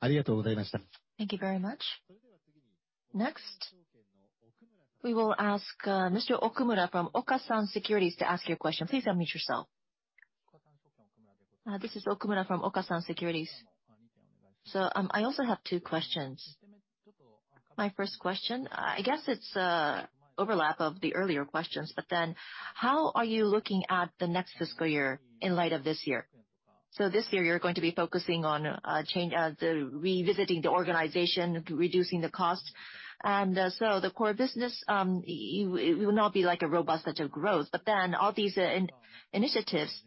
Thank you very much. Next, we will ask Mr. Okumura from Okasan Securities to ask your question. Please unmute yourself. This is Okumura from Okasan Securities. I also have two questions. My first question, I guess it's a overlap of the earlier questions, how are you looking at the next fiscal year in light of this year? This year you're going to be focusing on change, revisiting the organization, reducing the cost. The core business, it will not be like a robust set of growth. All these initiatives,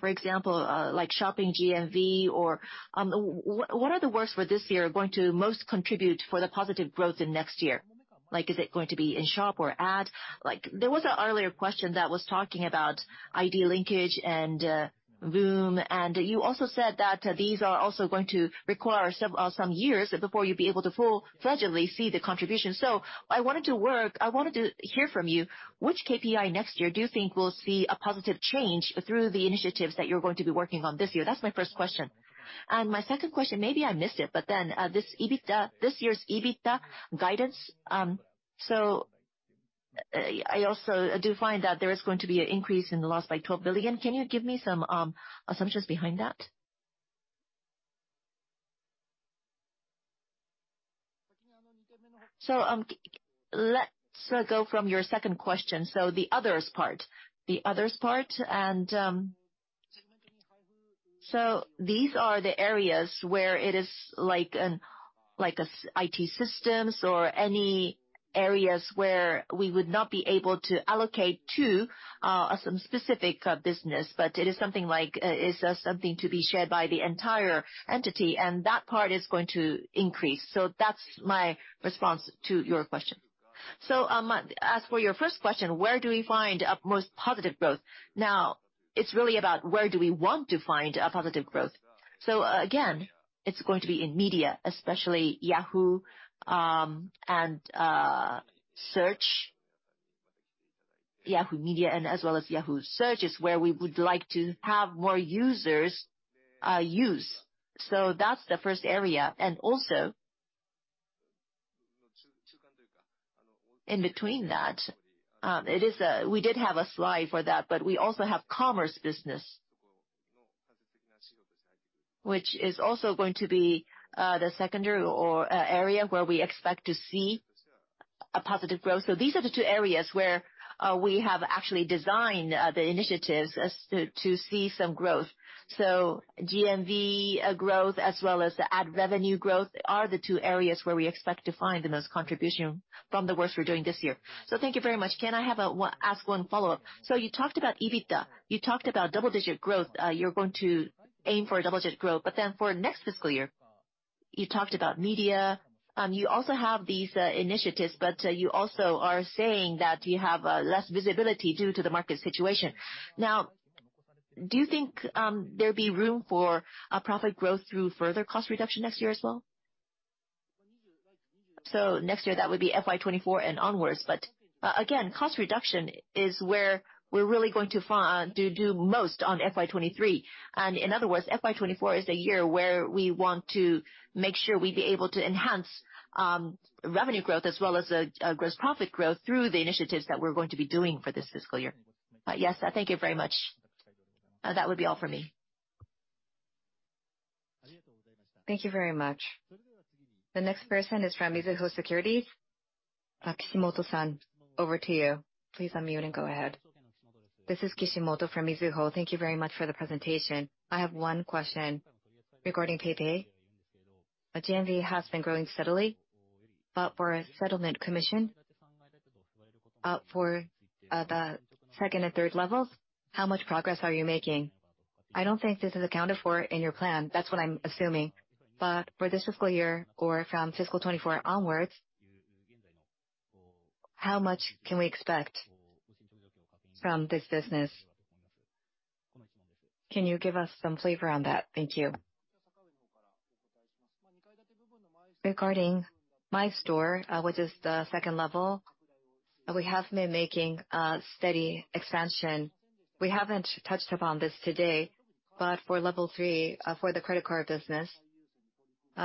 for example, like shopping GMV or what are the works for this year going to most contribute for the positive growth in next year? Like, is it going to be in shop or ad? Like, there was an earlier question that was talking about ID linkage and VOOM, and you also said that these are also going to require some years before you'll be able to full fledglingly see the contribution. I wanted to hear from you which KPI next year do you think will see a positive change through the initiatives that you're going to be working on this year? That's my first question. My second question, maybe I missed it, this EBITDA, this year's EBITDA guidance, I also do find that there is going to be an increase in the loss by 12 billion. Can you give me some assumptions behind that? Let's go from your second question. The others part. The others part and these are the areas where it is like an IT systems or any areas where we would not be able to allocate to some specific business. It is something like it's something to be shared by the entire entity, and that part is going to increase. That's my response to your question. As for your first question, where do we find most positive growth? Now, it's really about where do we want to find a positive growth. Again, it's going to be in media, especially Yahoo, and search. Yahoo media and as well as Yahoo search is where we would like to have more users use. That's the first area. In between that, it is, we did have a slide for that, but we also have commerce business, which is also going to be the secondary or area where we expect to see a positive growth. These are the two areas where we have actually designed the initiatives to see some growth. GMV growth as well as the ad revenue growth are the two areas where we expect to find the most contribution from the work we're doing this year. Thank you very much. Can I ask one follow-up? You talked about EBITDA. You talked about double-digit growth. You're going to aim for a double-digit growth. For next fiscal year, you talked about media. You also have these initiatives, but you also are saying that you have less visibility due to the market situation. Do you think there'd be room for a profit growth through further cost reduction next year as well? Next year, that would be FY 2024 and onwards. Again, cost reduction is where we're really going to do most on FY 2023. In other words, FY 2024 is the year where we want to make sure we'd be able to enhance revenue growth as well as gross profit growth through the initiatives that we're going to be doing for this fiscal year. Yes. Thank you very much. That would be all for me. Thank you very much. The next person is from Mizuho Securities. Kishimoto-san, over to you. Please unmute and go ahead. This is Kishimoto from Mizuho. Thank you very much for the presentation. I have one question regarding PayPay. GMV has been growing steadily, for a settlement commission, for the second and third levels, how much progress are you making? I don't think this is accounted for in your plan. That's what I'm assuming. For this fiscal year, or from fiscal 2024 onwards, how much can we expect from this business? Can you give us some flavor on that? Thank you. Regarding My Store, which is the second level, we have been making steady expansion. We haven't touched upon this today, but for level three, for the credit card business,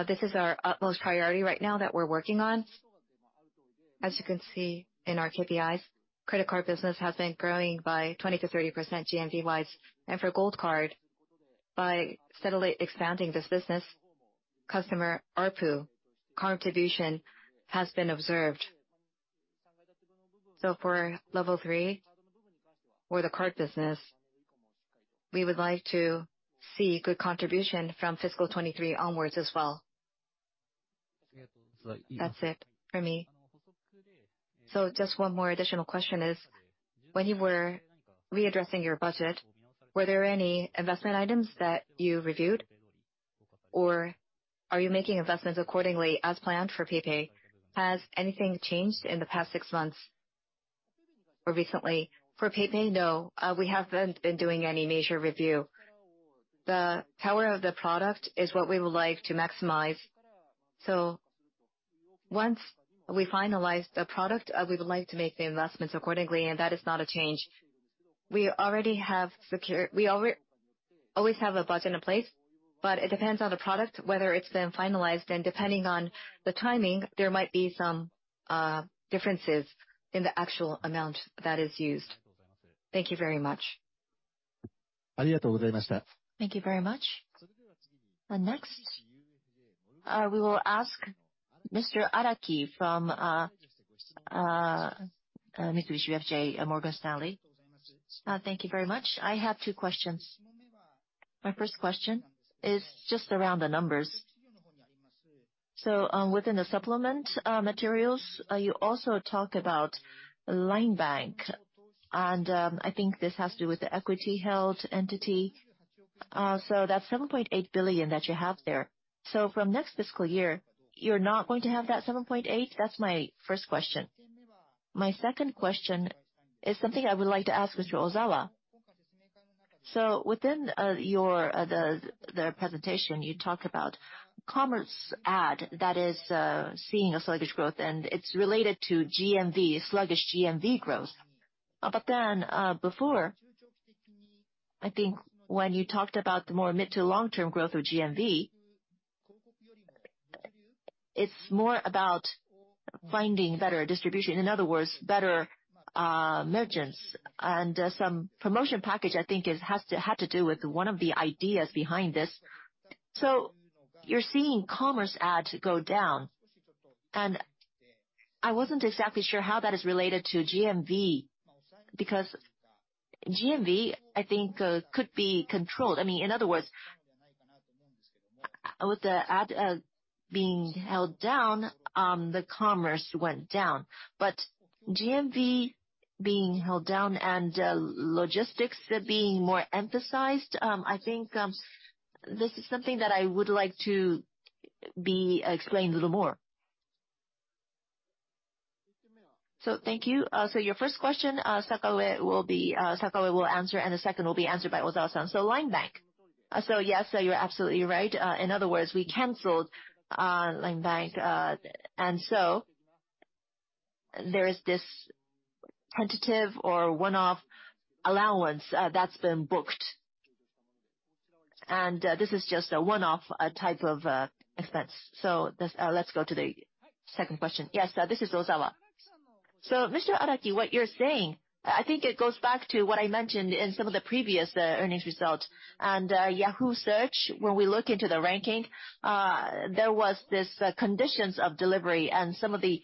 this is our utmost priority right now that we're working on. As you can see in our KPIs, credit card business has been growing by 20%-30% GMV-wise. For Gold Card, by steadily expanding this business, customer ARPU contribution has been observed. For level three, for the card business, we would like to see good contribution from fiscal 2023 onwards as well. That's it for me. Just 1 more additional question is, when you were readdressing your budget, were there any investment items that you reviewed? Or are you making investments accordingly as planned for PayPay? Has anything changed in the past 6 months or recently? For PayPay, no. We haven't been doing any major review. The power of the product is what we would like to maximize. Once we finalize the product, we would like to make the investments accordingly, that is not a change. We already always have a budget in place, it depends on the product, whether it's been finalized. Depending on the timing, there might be some differences in the actual amount that is used. Thank you very much. Thank you very much. Next, we will ask Mr. Araki from Mitsubishi UFJ Morgan Stanley. Thank you very much. I have two questions. My first question is just around the numbers. Within the supplement materials, you also talk about LINE Bank, and I think this has to do with the equity-held entity. That's 7.8 billion that you have there. From next fiscal year, you're not going to have that 7.8 billion? That's my first question. My second question is something I would like to ask Mr. Ozawa. Within your presentation, you talk about commerce ad that is seeing a sluggish growth, and it's related to GMV, sluggish GMV growth. Before, I think when you talked about the more mid to long-term growth of GMV, it's more about finding better distribution, in other words, better merchants. Some promotion package, I think had to do with one of the ideas behind this. You're seeing commerce ads go down, and I wasn't exactly sure how that is related to GMV, because GMV, I think, could be controlled. I mean, in other words, with the ad being held down, the commerce went down. GMV being held down and logistics being more emphasized, I think, this is something that I would like to be explained a little more. Thank you. Your first question, Sakawa will answer, and the second will be answered by Ozawa-san. LINE Bank. Yes, you're absolutely right. In other words, we canceled LINE Bank. And so there is this tentative or one-off allowance that's been booked. This is just a one-off type of expense. Let's go to the second question. Yes, this is Ozawa. Mr. Araki, what you're saying, I think it goes back to what I mentioned in some of the previous earnings results. Yahoo Search, when we look into the ranking, there was this conditions of delivery and some of the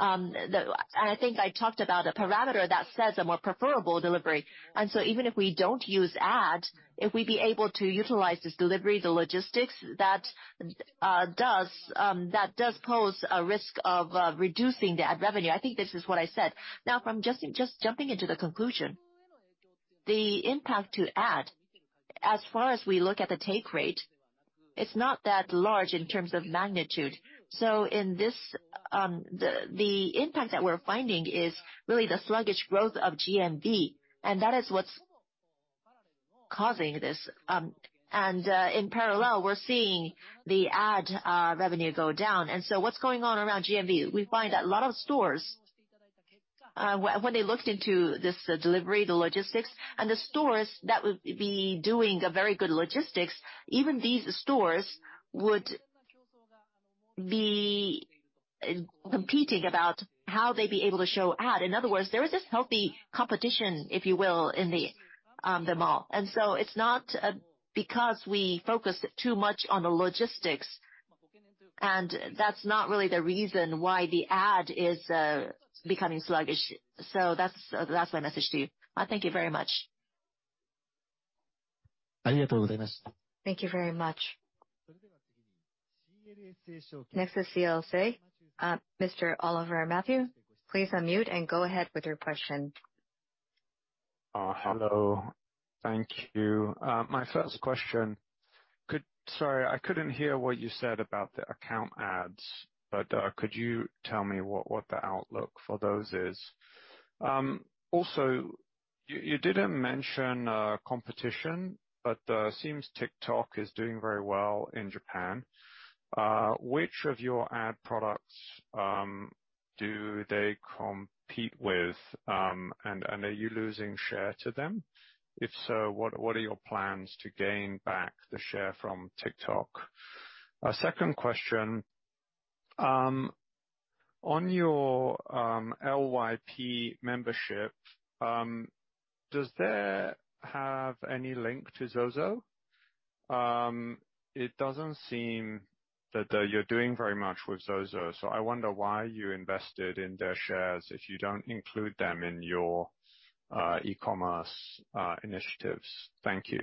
I think I talked about a parameter that says a more preferable delivery. Even if we don't use ad, if we'd be able to utilize this delivery, the logistics, that does pose a risk of reducing the ad revenue. I think this is what I said. From just jumping into the conclusion, the impact to ad, as far as we look at the take rate, it's not that large in terms of magnitude. In this, the impact that we're finding is really the sluggish growth of GMV. That is what's causing this. In parallel, we're seeing the ad revenue go down. What's going on around GMV? We find that a lot of stores, when they looked into this delivery, the logistics, and the stores that would be doing a very good logistics, even these stores would be competing about how they'd be able to show ad. In other words, there is this healthy competition, if you will, in the mall. It's not because we focused too much on the logistics, and that's not really the reason why the ad is becoming sluggish. That's my message to you. Thank you very much. Thank you very much. Next is CLSA. Mr. Oliver Matthew, please unmute and go ahead with your question. Hello. Thank you. My first question. Sorry, I couldn't hear what you said about the account ads, but, could you tell me what the outlook for those is? Also, you didn't mention competition, but, seems TikTok is doing very well in Japan. Which of your ad products do they compete with? Are you losing share to them? If so, what are your plans to gain back the share from TikTok? Second question. On your LYP membership, does that have any link to ZOZO? It doesn't seem that you're doing very much with ZOZO, so I wonder why you invested in their shares if you don't include them in your e-commerce initiatives. Thank you.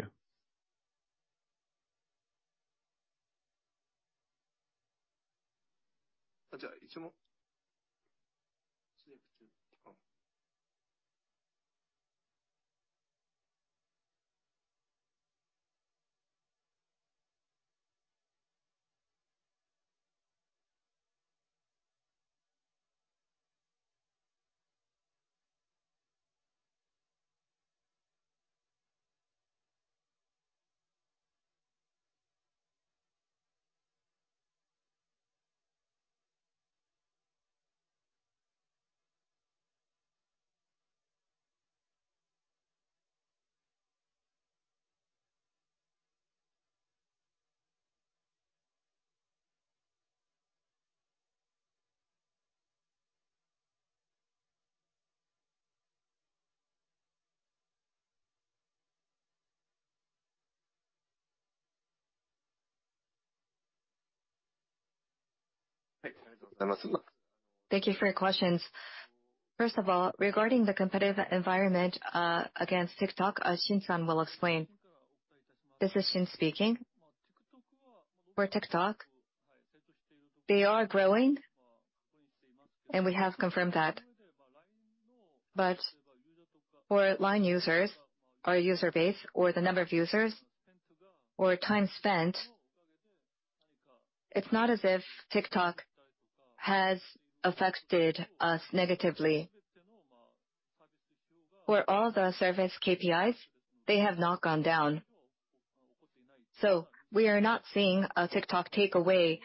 Thank you for your questions. First of all, regarding the competitive environment, against TikTok, Shin-san will explain. This is Shin speaking. For TikTok, they are growing, and we have confirmed that. For LINE users, our user base or the number of users or time spent, it's not as if TikTok has affected us negatively. For all the service KPIs, they have not gone down. We are not seeing TikTok take away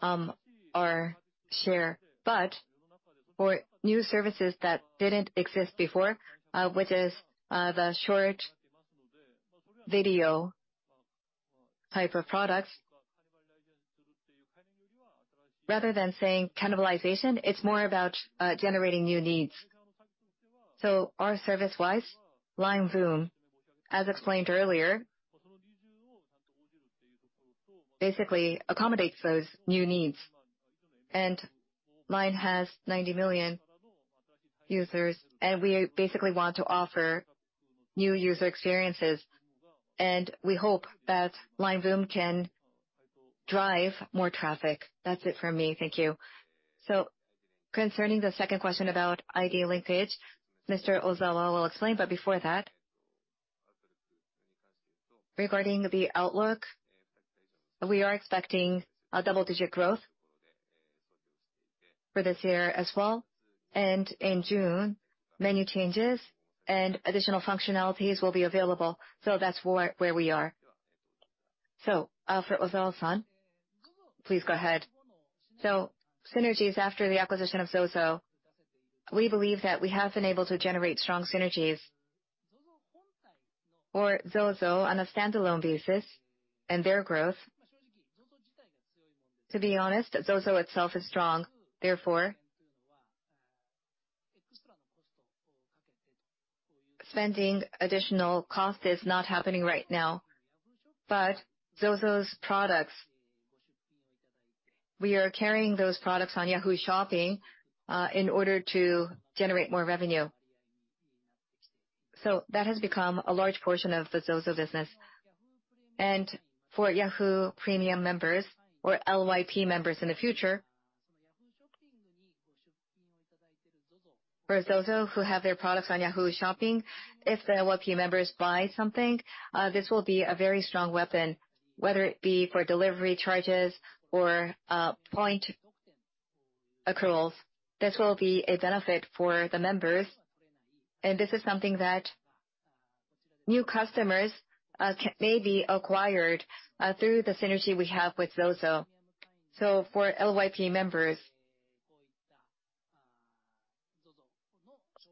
our share. For new services that didn't exist before, which is the short video type of products, rather than saying cannibalization, it's more about generating new needs. Our service-wise, LINE VOOM, as explained earlier, basically accommodates those new needs. LINE has 90 million users, and we basically want to offer new user experiences, and we hope that LINE VOOM can drive more traffic. That's it from me. Thank you. Concerning the second question about ID linkage, Mr. Ozawa will explain, but before that, regarding the outlook, we are expecting a double-digit growth for this year as well. In June, menu changes and additional functionalities will be available. That's where we are. For Ozawa-san, please go ahead. Synergies after the acquisition of ZOZO, we believe that we have been able to generate strong synergies. For ZOZO on a standalone basis and their growth, to be honest, ZOZO itself is strong, therefore spending additional cost is not happening right now. ZOZO's products, we are carrying those products on Yahoo! Shopping, in order to generate more revenue. That has become a large portion of the ZOZO business. For Yahoo! Premium members or LYP members in the future, for ZOZO who have their products on Yahoo! Shopping, if the LYP members buy something, this will be a very strong weapon, whether it be for delivery charges or point accruals. This will be a benefit for the members, and this is something that new customers may be acquired through the synergy we have with ZOZO. For LYP members,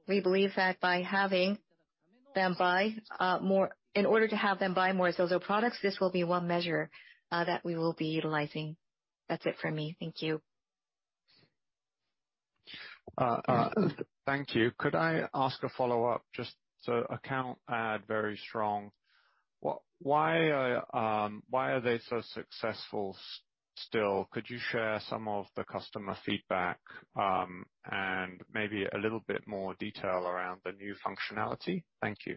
we believe that by having them buy more in order to have them buy more ZOZO products, this will be one measure that we will be utilizing. That's it for me. Thank you. Thank you. Could I ask a follow-up? Just so account ad very strong, why are they so successful still? Could you share some of the customer feedback, and maybe a little bit more detail around the new functionality? Thank you. Thank you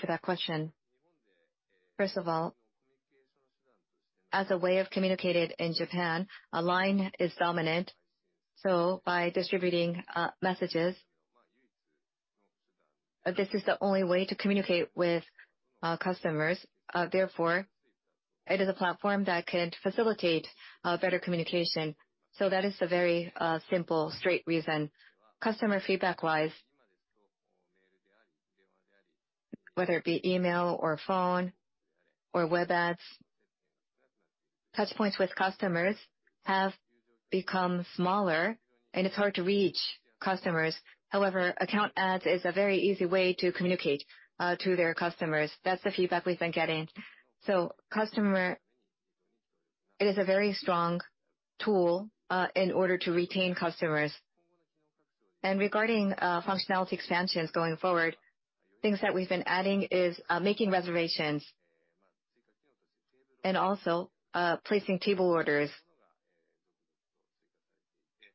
for that question. First of all, as a way of communicating in Japan, LINE is dominant. By distributing messages, this is the only way to communicate with our customers. It is a platform that can facilitate better communication. That is a very simple straight reason. Customer feedback-wise, whether it be email or phone or web ads, touchpoints with customers have become smaller, and it's hard to reach customers. Account ads is a very easy way to communicate to their customers. That's the feedback we've been getting. Customer, it is a very strong tool in order to retain customers. Regarding functionality expansions going forward, things that we've been adding is making reservations. Also, placing table orders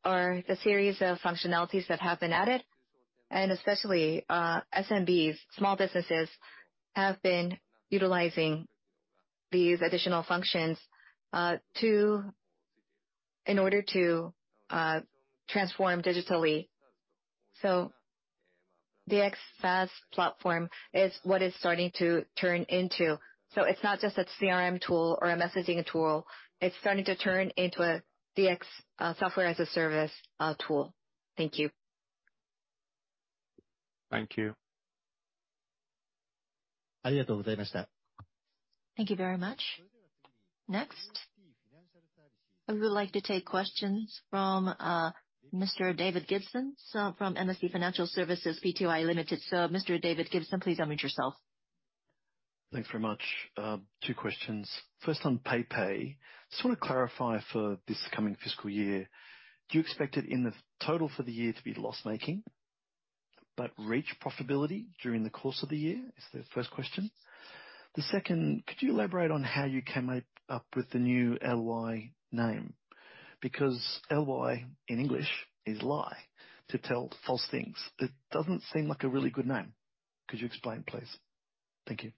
are the series of functionalities that have been added, especially, SMBs, small businesses, have been utilizing these additional functions, in order to transform digitally. The xPaaS platform is what it's starting to turn into. It's not just a CRM tool or a messaging tool. It's starting to turn into a DX, software as a service, tool. Thank you. Thank you. Thank you very much. I would like to take questions from Mr. David Gibson, so from MST Financial Services B2i Limited. Mr. David Gibson, please unmute yourself. Thanks very much. Two questions. First, on PayPay, just want to clarify for this coming fiscal year, do you expect it in the total for the year to be loss-making? Reach profitability during the course of the year, is the first question. The second, could you elaborate on how you came up with the new LY name? Because LY in English is lie, to tell false things. It doesn't seem like a really good name. Could you explain, please? Thank you.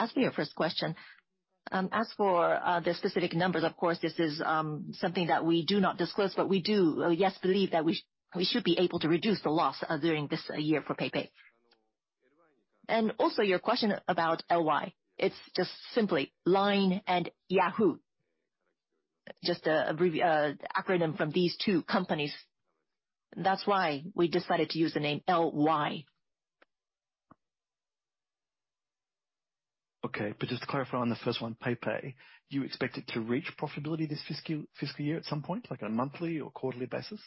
Answering your first question, as for the specific numbers, of course, this is something that we do not disclose, but we do, yes, believe that we should be able to reduce the loss during this year for PayPay. Also your question about LY. It's just simply LINE and Yahoo!. Just acronym from these two companies. That's why we decided to use the name LY. Okay. Just to clarify on the first one, PayPay, you expect it to reach profitability this fiscal year at some point, like on a monthly or quarterly basis?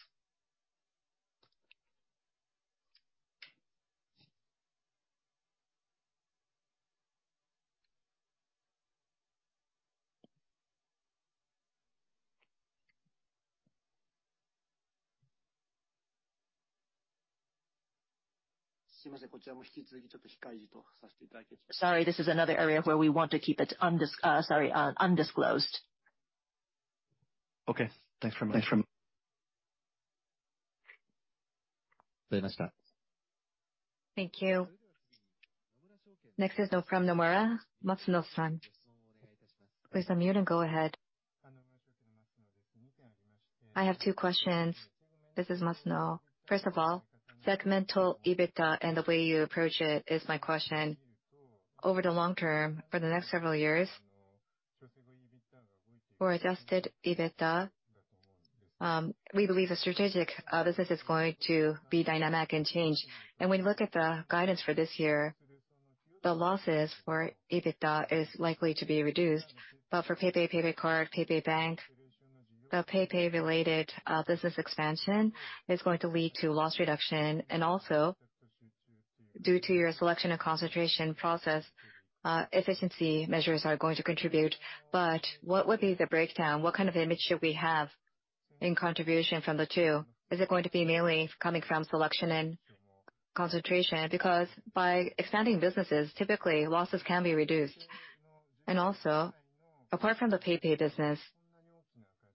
Sorry, this is another area where we want to keep it undisclosed. Okay. Thanks very much. Thank you. Next is from Nomura, Masuno San. Please unmute and go ahead. I have two questions. This is Masuno. First of all, segmental EBITDA and the way you approach it is my question. Over the long term, for the next several years, for adjusted EBITDA, we believe the strategic business is going to be dynamic and change. When you look at the guidance for this year, the losses for EBITDA is likely to be reduced. For PayPay Card, PayPay Bank, the PayPay related business expansion is going to lead to loss reduction, and also due to your selection and concentration process, efficiency measures are going to contribute. What would be the breakdown? What kind of image should we have in contribution from the two? Is it going to be mainly coming from selection and concentration? By expanding businesses, typically losses can be reduced. Apart from the PayPay business,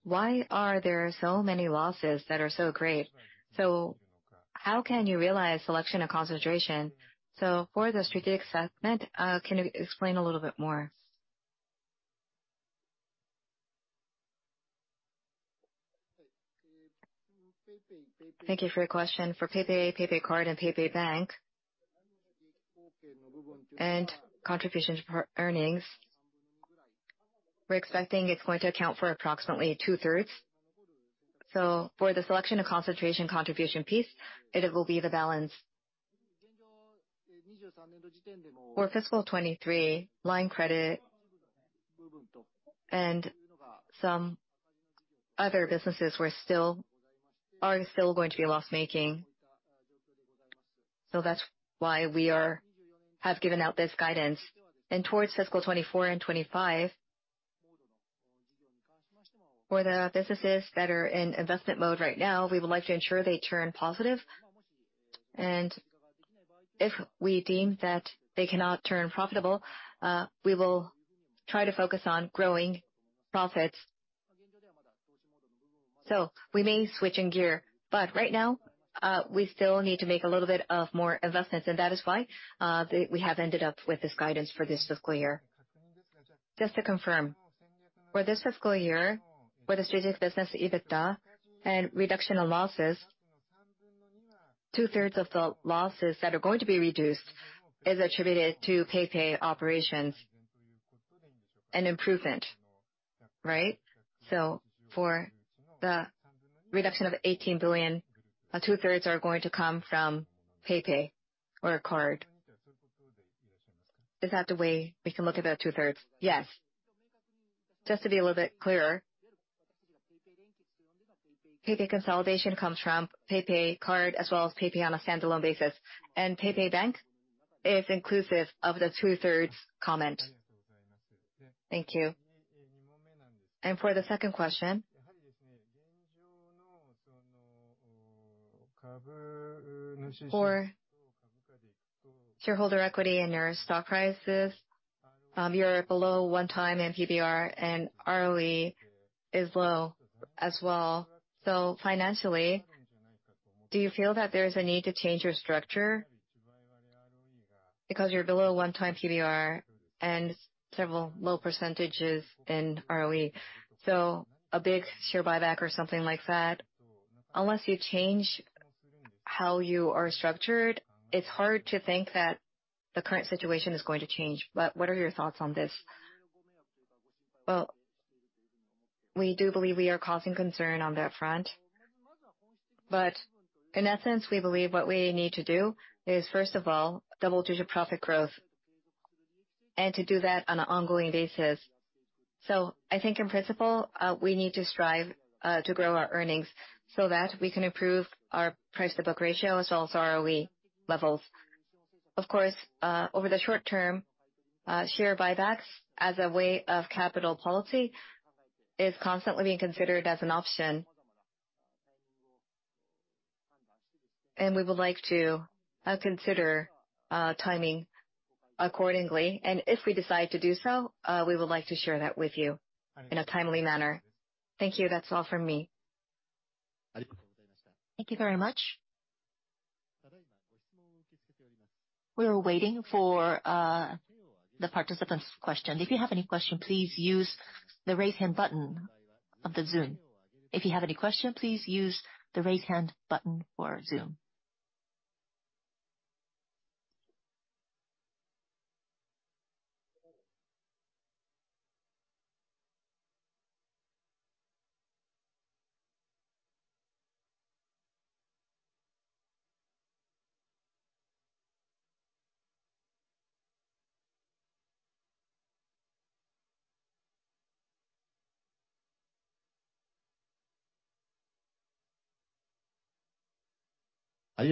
why are there so many losses that are so great? How can you realize selection and concentration? For the strategic assessment, can you explain a little bit more? Thank you for your question. For PayPay Card, and PayPay Bank, contribution to par-earnings, we're expecting it's going to account for approximately two-thirds. For the selection and concentration contribution piece, it will be the balance. For fiscal 2023, LINE Credit and some other businesses are still going to be loss-making. That's why we have given out this guidance. Towards fiscal 2024 and 2025, for the businesses that are in investment mode right now, we would like to ensure they turn positive. If we deem that they cannot turn profitable, we will try to focus on growing profits. We may switch in gear, right now, we still need to make a little bit of more investments, that is why we have ended up with this guidance for this fiscal year. Just to confirm, for this fiscal year, for the strategic business EBITDA and reduction of losses, two-thirds of the losses that are going to be reduced is attributed to PayPay operations and improvement, right? For the reduction of 18 billion, 2/3 are going to come from PayPay or a card. Is that the way we can look at the two-thirds? Yes. Just to be a little bit clearer, PayPay consolidation comes from PayPay Card as well as PayPay on a standalone basis. PayPay Bank is inclusive of the two-thirds comment. Thank you. For the second question. Shareholder equity and your stock prices. You're below one time PBR, and ROE is low as well. Financially, do you feel that there's a need to change your structure? Because you're below one time PBR and several low % in ROE. A big share buyback or something like that. Unless you change how you are structured, it's hard to think that the current situation is going to change. What are your thoughts on this? Well, we do believe we are causing concern on that front. In essence, we believe what we need to do is, first of all, double-digit profit growth, and to do that on an ongoing basis. I think in principle, we need to strive to grow our earnings so that we can improve our price-to-book ratio as well as ROE levels. Of course, over the short term, share buybacks as a way of capital policy is constantly being considered as an option. We would like to consider timing accordingly. If we decide to do so, we would like to share that with you in a timely manner. Thank you. That's all from me. Thank you very much. We are waiting for the participant's question. If you have any question, please use the Raise Hand button of the Zoom. If you have any question, please use the Raise Hand button for Zoom.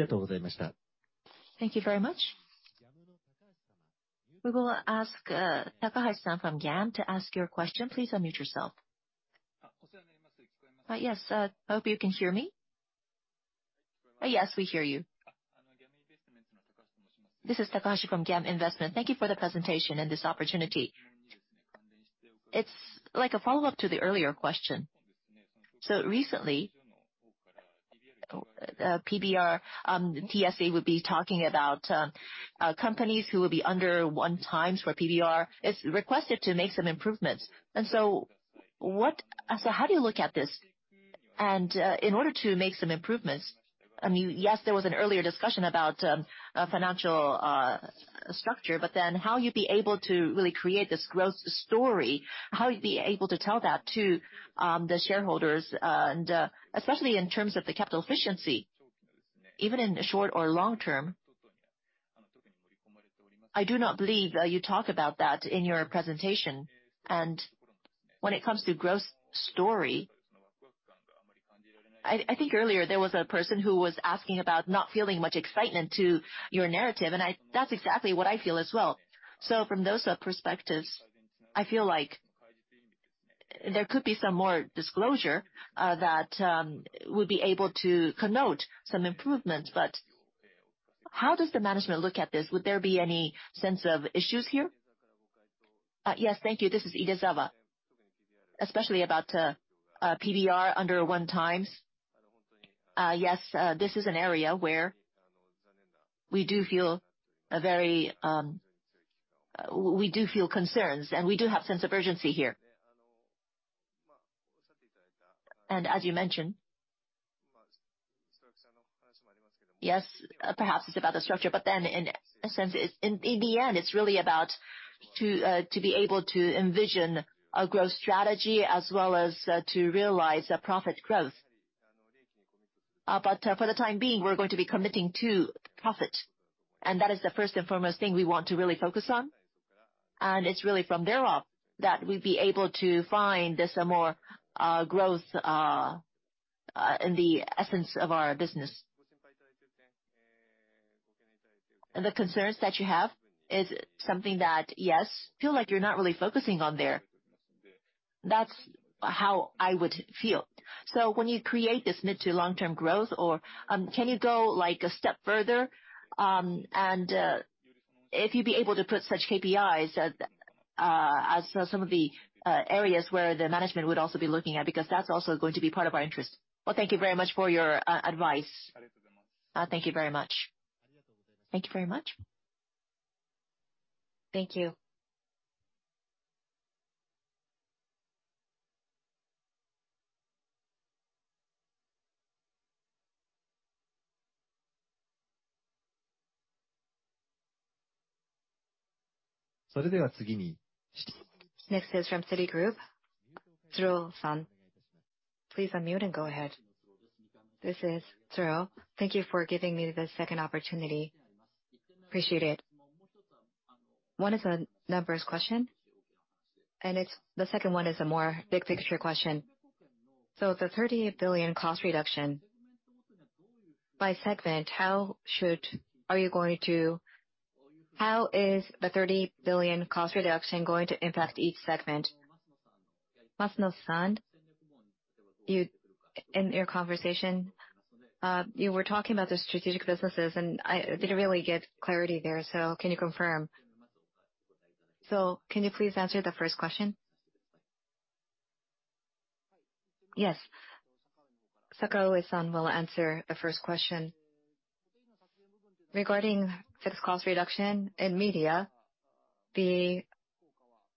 Thank you very much. We will ask Takahashi-san from GAM to ask your question. Please unmute yourself. Yes. I hope you can hear me. Yes, we hear you. This is Takahashi from GAM Investments. Thank you for the presentation and this opportunity. It's like a follow-up to the earlier question. Recently, PBR, TSE will be talking about companies who will be under one times for PBR. It's requested to make some improvements. How do you look at this? In order to make some improvements, I mean, yes, there was an earlier discussion about a financial structure. How you'd be able to really create this growth story, how you'd be able to tell that to the shareholders, and especially in terms of the capital efficiency, even in the short or long term? I do not believe you talk about that in your presentation. When it comes to growth story, I think earlier there was a person who was asking about not feeling much excitement to your narrative, and that's exactly what I feel as well. From those perspectives, I feel like there could be some more disclosure that would be able to connote some improvement. How does the management look at this? Would there be any sense of issues here? Yes. Thank you. This is Idezawa. Especially about PBR under 1 times. Yes, this is an area where we do feel concerns, and we do have sense of urgency here. As you mentioned, yes, perhaps it's about the structure, but then in a sense, in the end, it's really about to be able to envision a growth strategy as well as to realize a profit growth. For the time being, we're going to be committing to profit, and that is the first and foremost thing we want to really focus on. It's really from there on that we'd be able to find there's some more growth in the essence of our business. The concerns that you have is something that, yes, feel like you're not really focusing on there. That's how I would feel. When you create this mid to long-term growth or, can you go, like, a step further, and if you'd be able to put such KPIs as some of the areas where the management would also be looking at, because that's also going to be part of our interest. Thank you very much for your advice. Thank you very much. Thank you very much. Thank you. Next is from Citigroup. Tsuruo-san, please unmute and go ahead. This is Tsuruo. Thank you for giving me the second opportunity. Appreciate it. One is a numbers question. The second one is a more big picture question. The 30 billion cost reduction. By segment, how is the 30 billion cost reduction going to impact each segment? Masuno-san, you, in your conversation, you were talking about the strategic businesses. I didn't really get clarity there, can you confirm? Can you please answer the first question? Yes. Sakaue-san will answer the first question. Regarding fixed cost reduction in media, the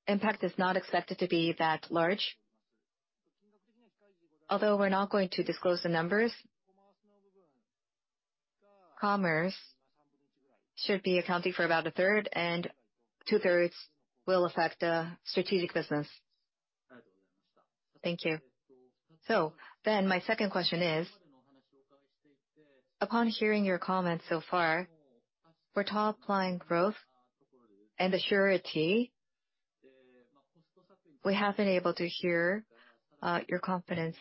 impact is not expected to be that large. Although we're not going to disclose the numbers, commerce should be accounting for about a third, and two-thirds will affect strategic business. Thank you. My second question is, upon hearing your comments so far, for top line growth and surety, we have been able to hear your confidence.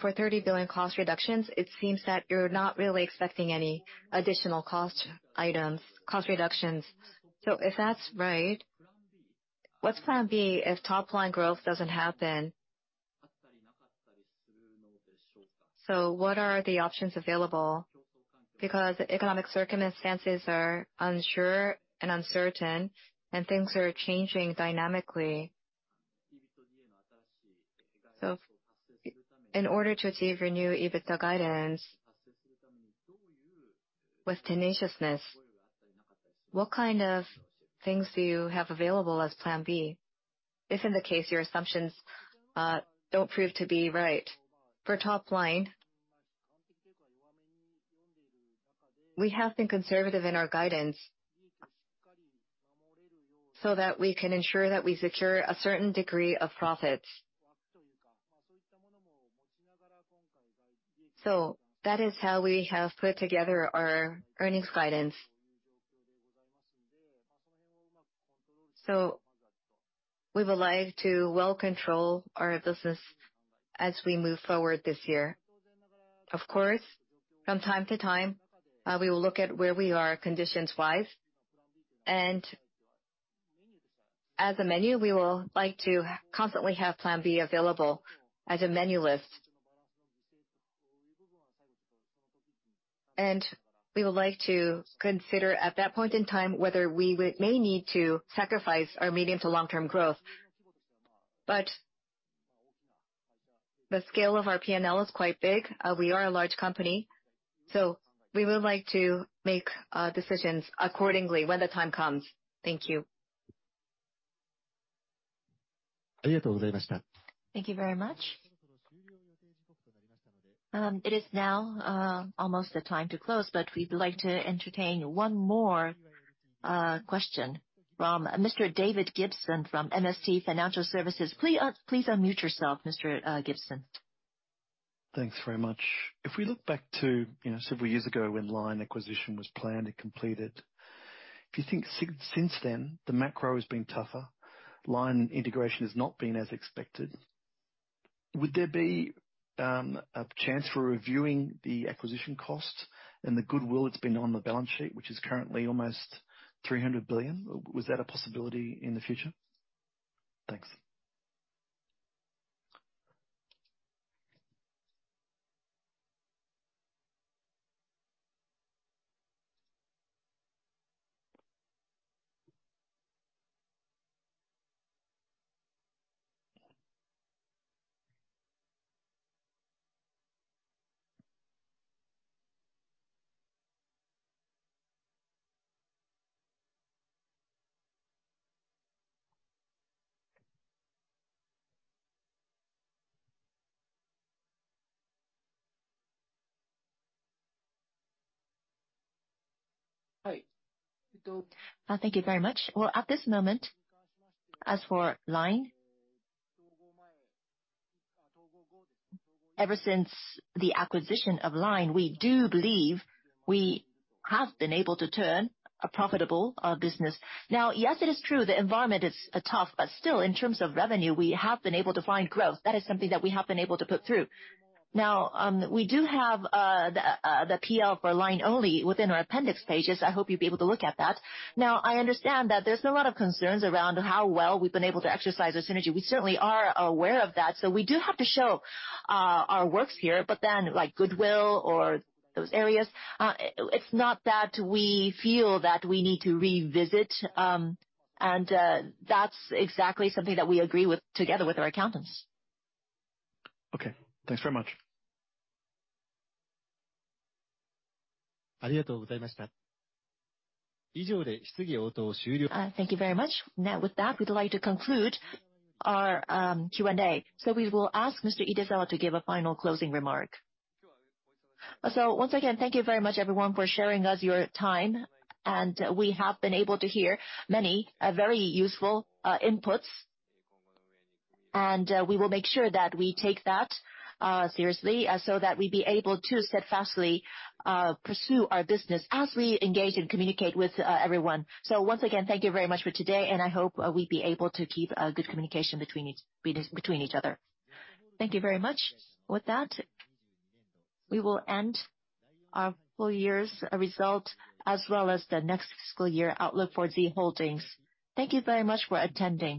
For 30 billion cost reductions, it seems that you're not really expecting any additional cost items, cost reductions. If that's right, what's Plan B if top line growth doesn't happen? What are the options available? Because economic circumstances are unsure and uncertain, and things are changing dynamically. In order to achieve your new EBITDA guidance with tenaciousness, what kind of things do you have available as Plan B if in the case your assumptions don't prove to be right? For top line, we have been conservative in our guidance so that we can ensure that we secure a certain degree of profits. That is how we have put together our earnings guidance. We would like to well control our business as we move forward this year. Of course, from time to time, we will look at where we are conditions-wise. As a menu, we will like to constantly have plan B available as a menu list. We would like to consider at that point in time whether we may need to sacrifice our medium to long-term growth. The scale of our P&L is quite big. We are a large company, we would like to make decisions accordingly when the time comes. Thank you. Thank you very much. It is now almost the time to close, but we'd like to entertain one more question from Mr. David Gibson from MST Financial Services. Please, please unmute yourself, Mr. Gibson. Thanks very much. If we look back to, you know, several years ago when LINE acquisition was planned and completed, if you think since then, the macro has been tougher, LINE integration has not been as expected, would there be a chance for reviewing the acquisition cost and the goodwill that's been on the balance sheet, which is currently almost 300 billion? Was that a possibility in the future? Thanks. Thank you very much. At this moment, as for LINE, ever since the acquisition of LINE, we do believe we have been able to turn a profitable business. Yes, it is true the environment is tough, but still in terms of revenue, we have been able to find growth. That is something that we have been able to put through. We do have the PL for LINE only within our appendix pages. I hope you'll be able to look at that. I understand that there's a lot of concerns around how well we've been able to exercise our synergy. We certainly are aware of that, so we do have to show our works here. Like goodwill or those areas, it's not that we feel that we need to revisit, that's exactly something that we agree with together with our accountants. Okay. Thanks very much. Thank you very much. With that, we'd like to conclude our Q&A. We will ask Mr. Idezawa to give a final closing remark. Once again, thank you very much everyone for sharing us your time. We have been able to hear many very useful inputs. We will make sure that we take that seriously so that we be able to steadfastly pursue our business as we engage and communicate with everyone. Once again, thank you very much for today, and I hope we be able to keep a good communication between each other. Thank you very much. With that, we will end our full year's result as well as the next fiscal year outlook for Z Holdings. Thank you very much for attending.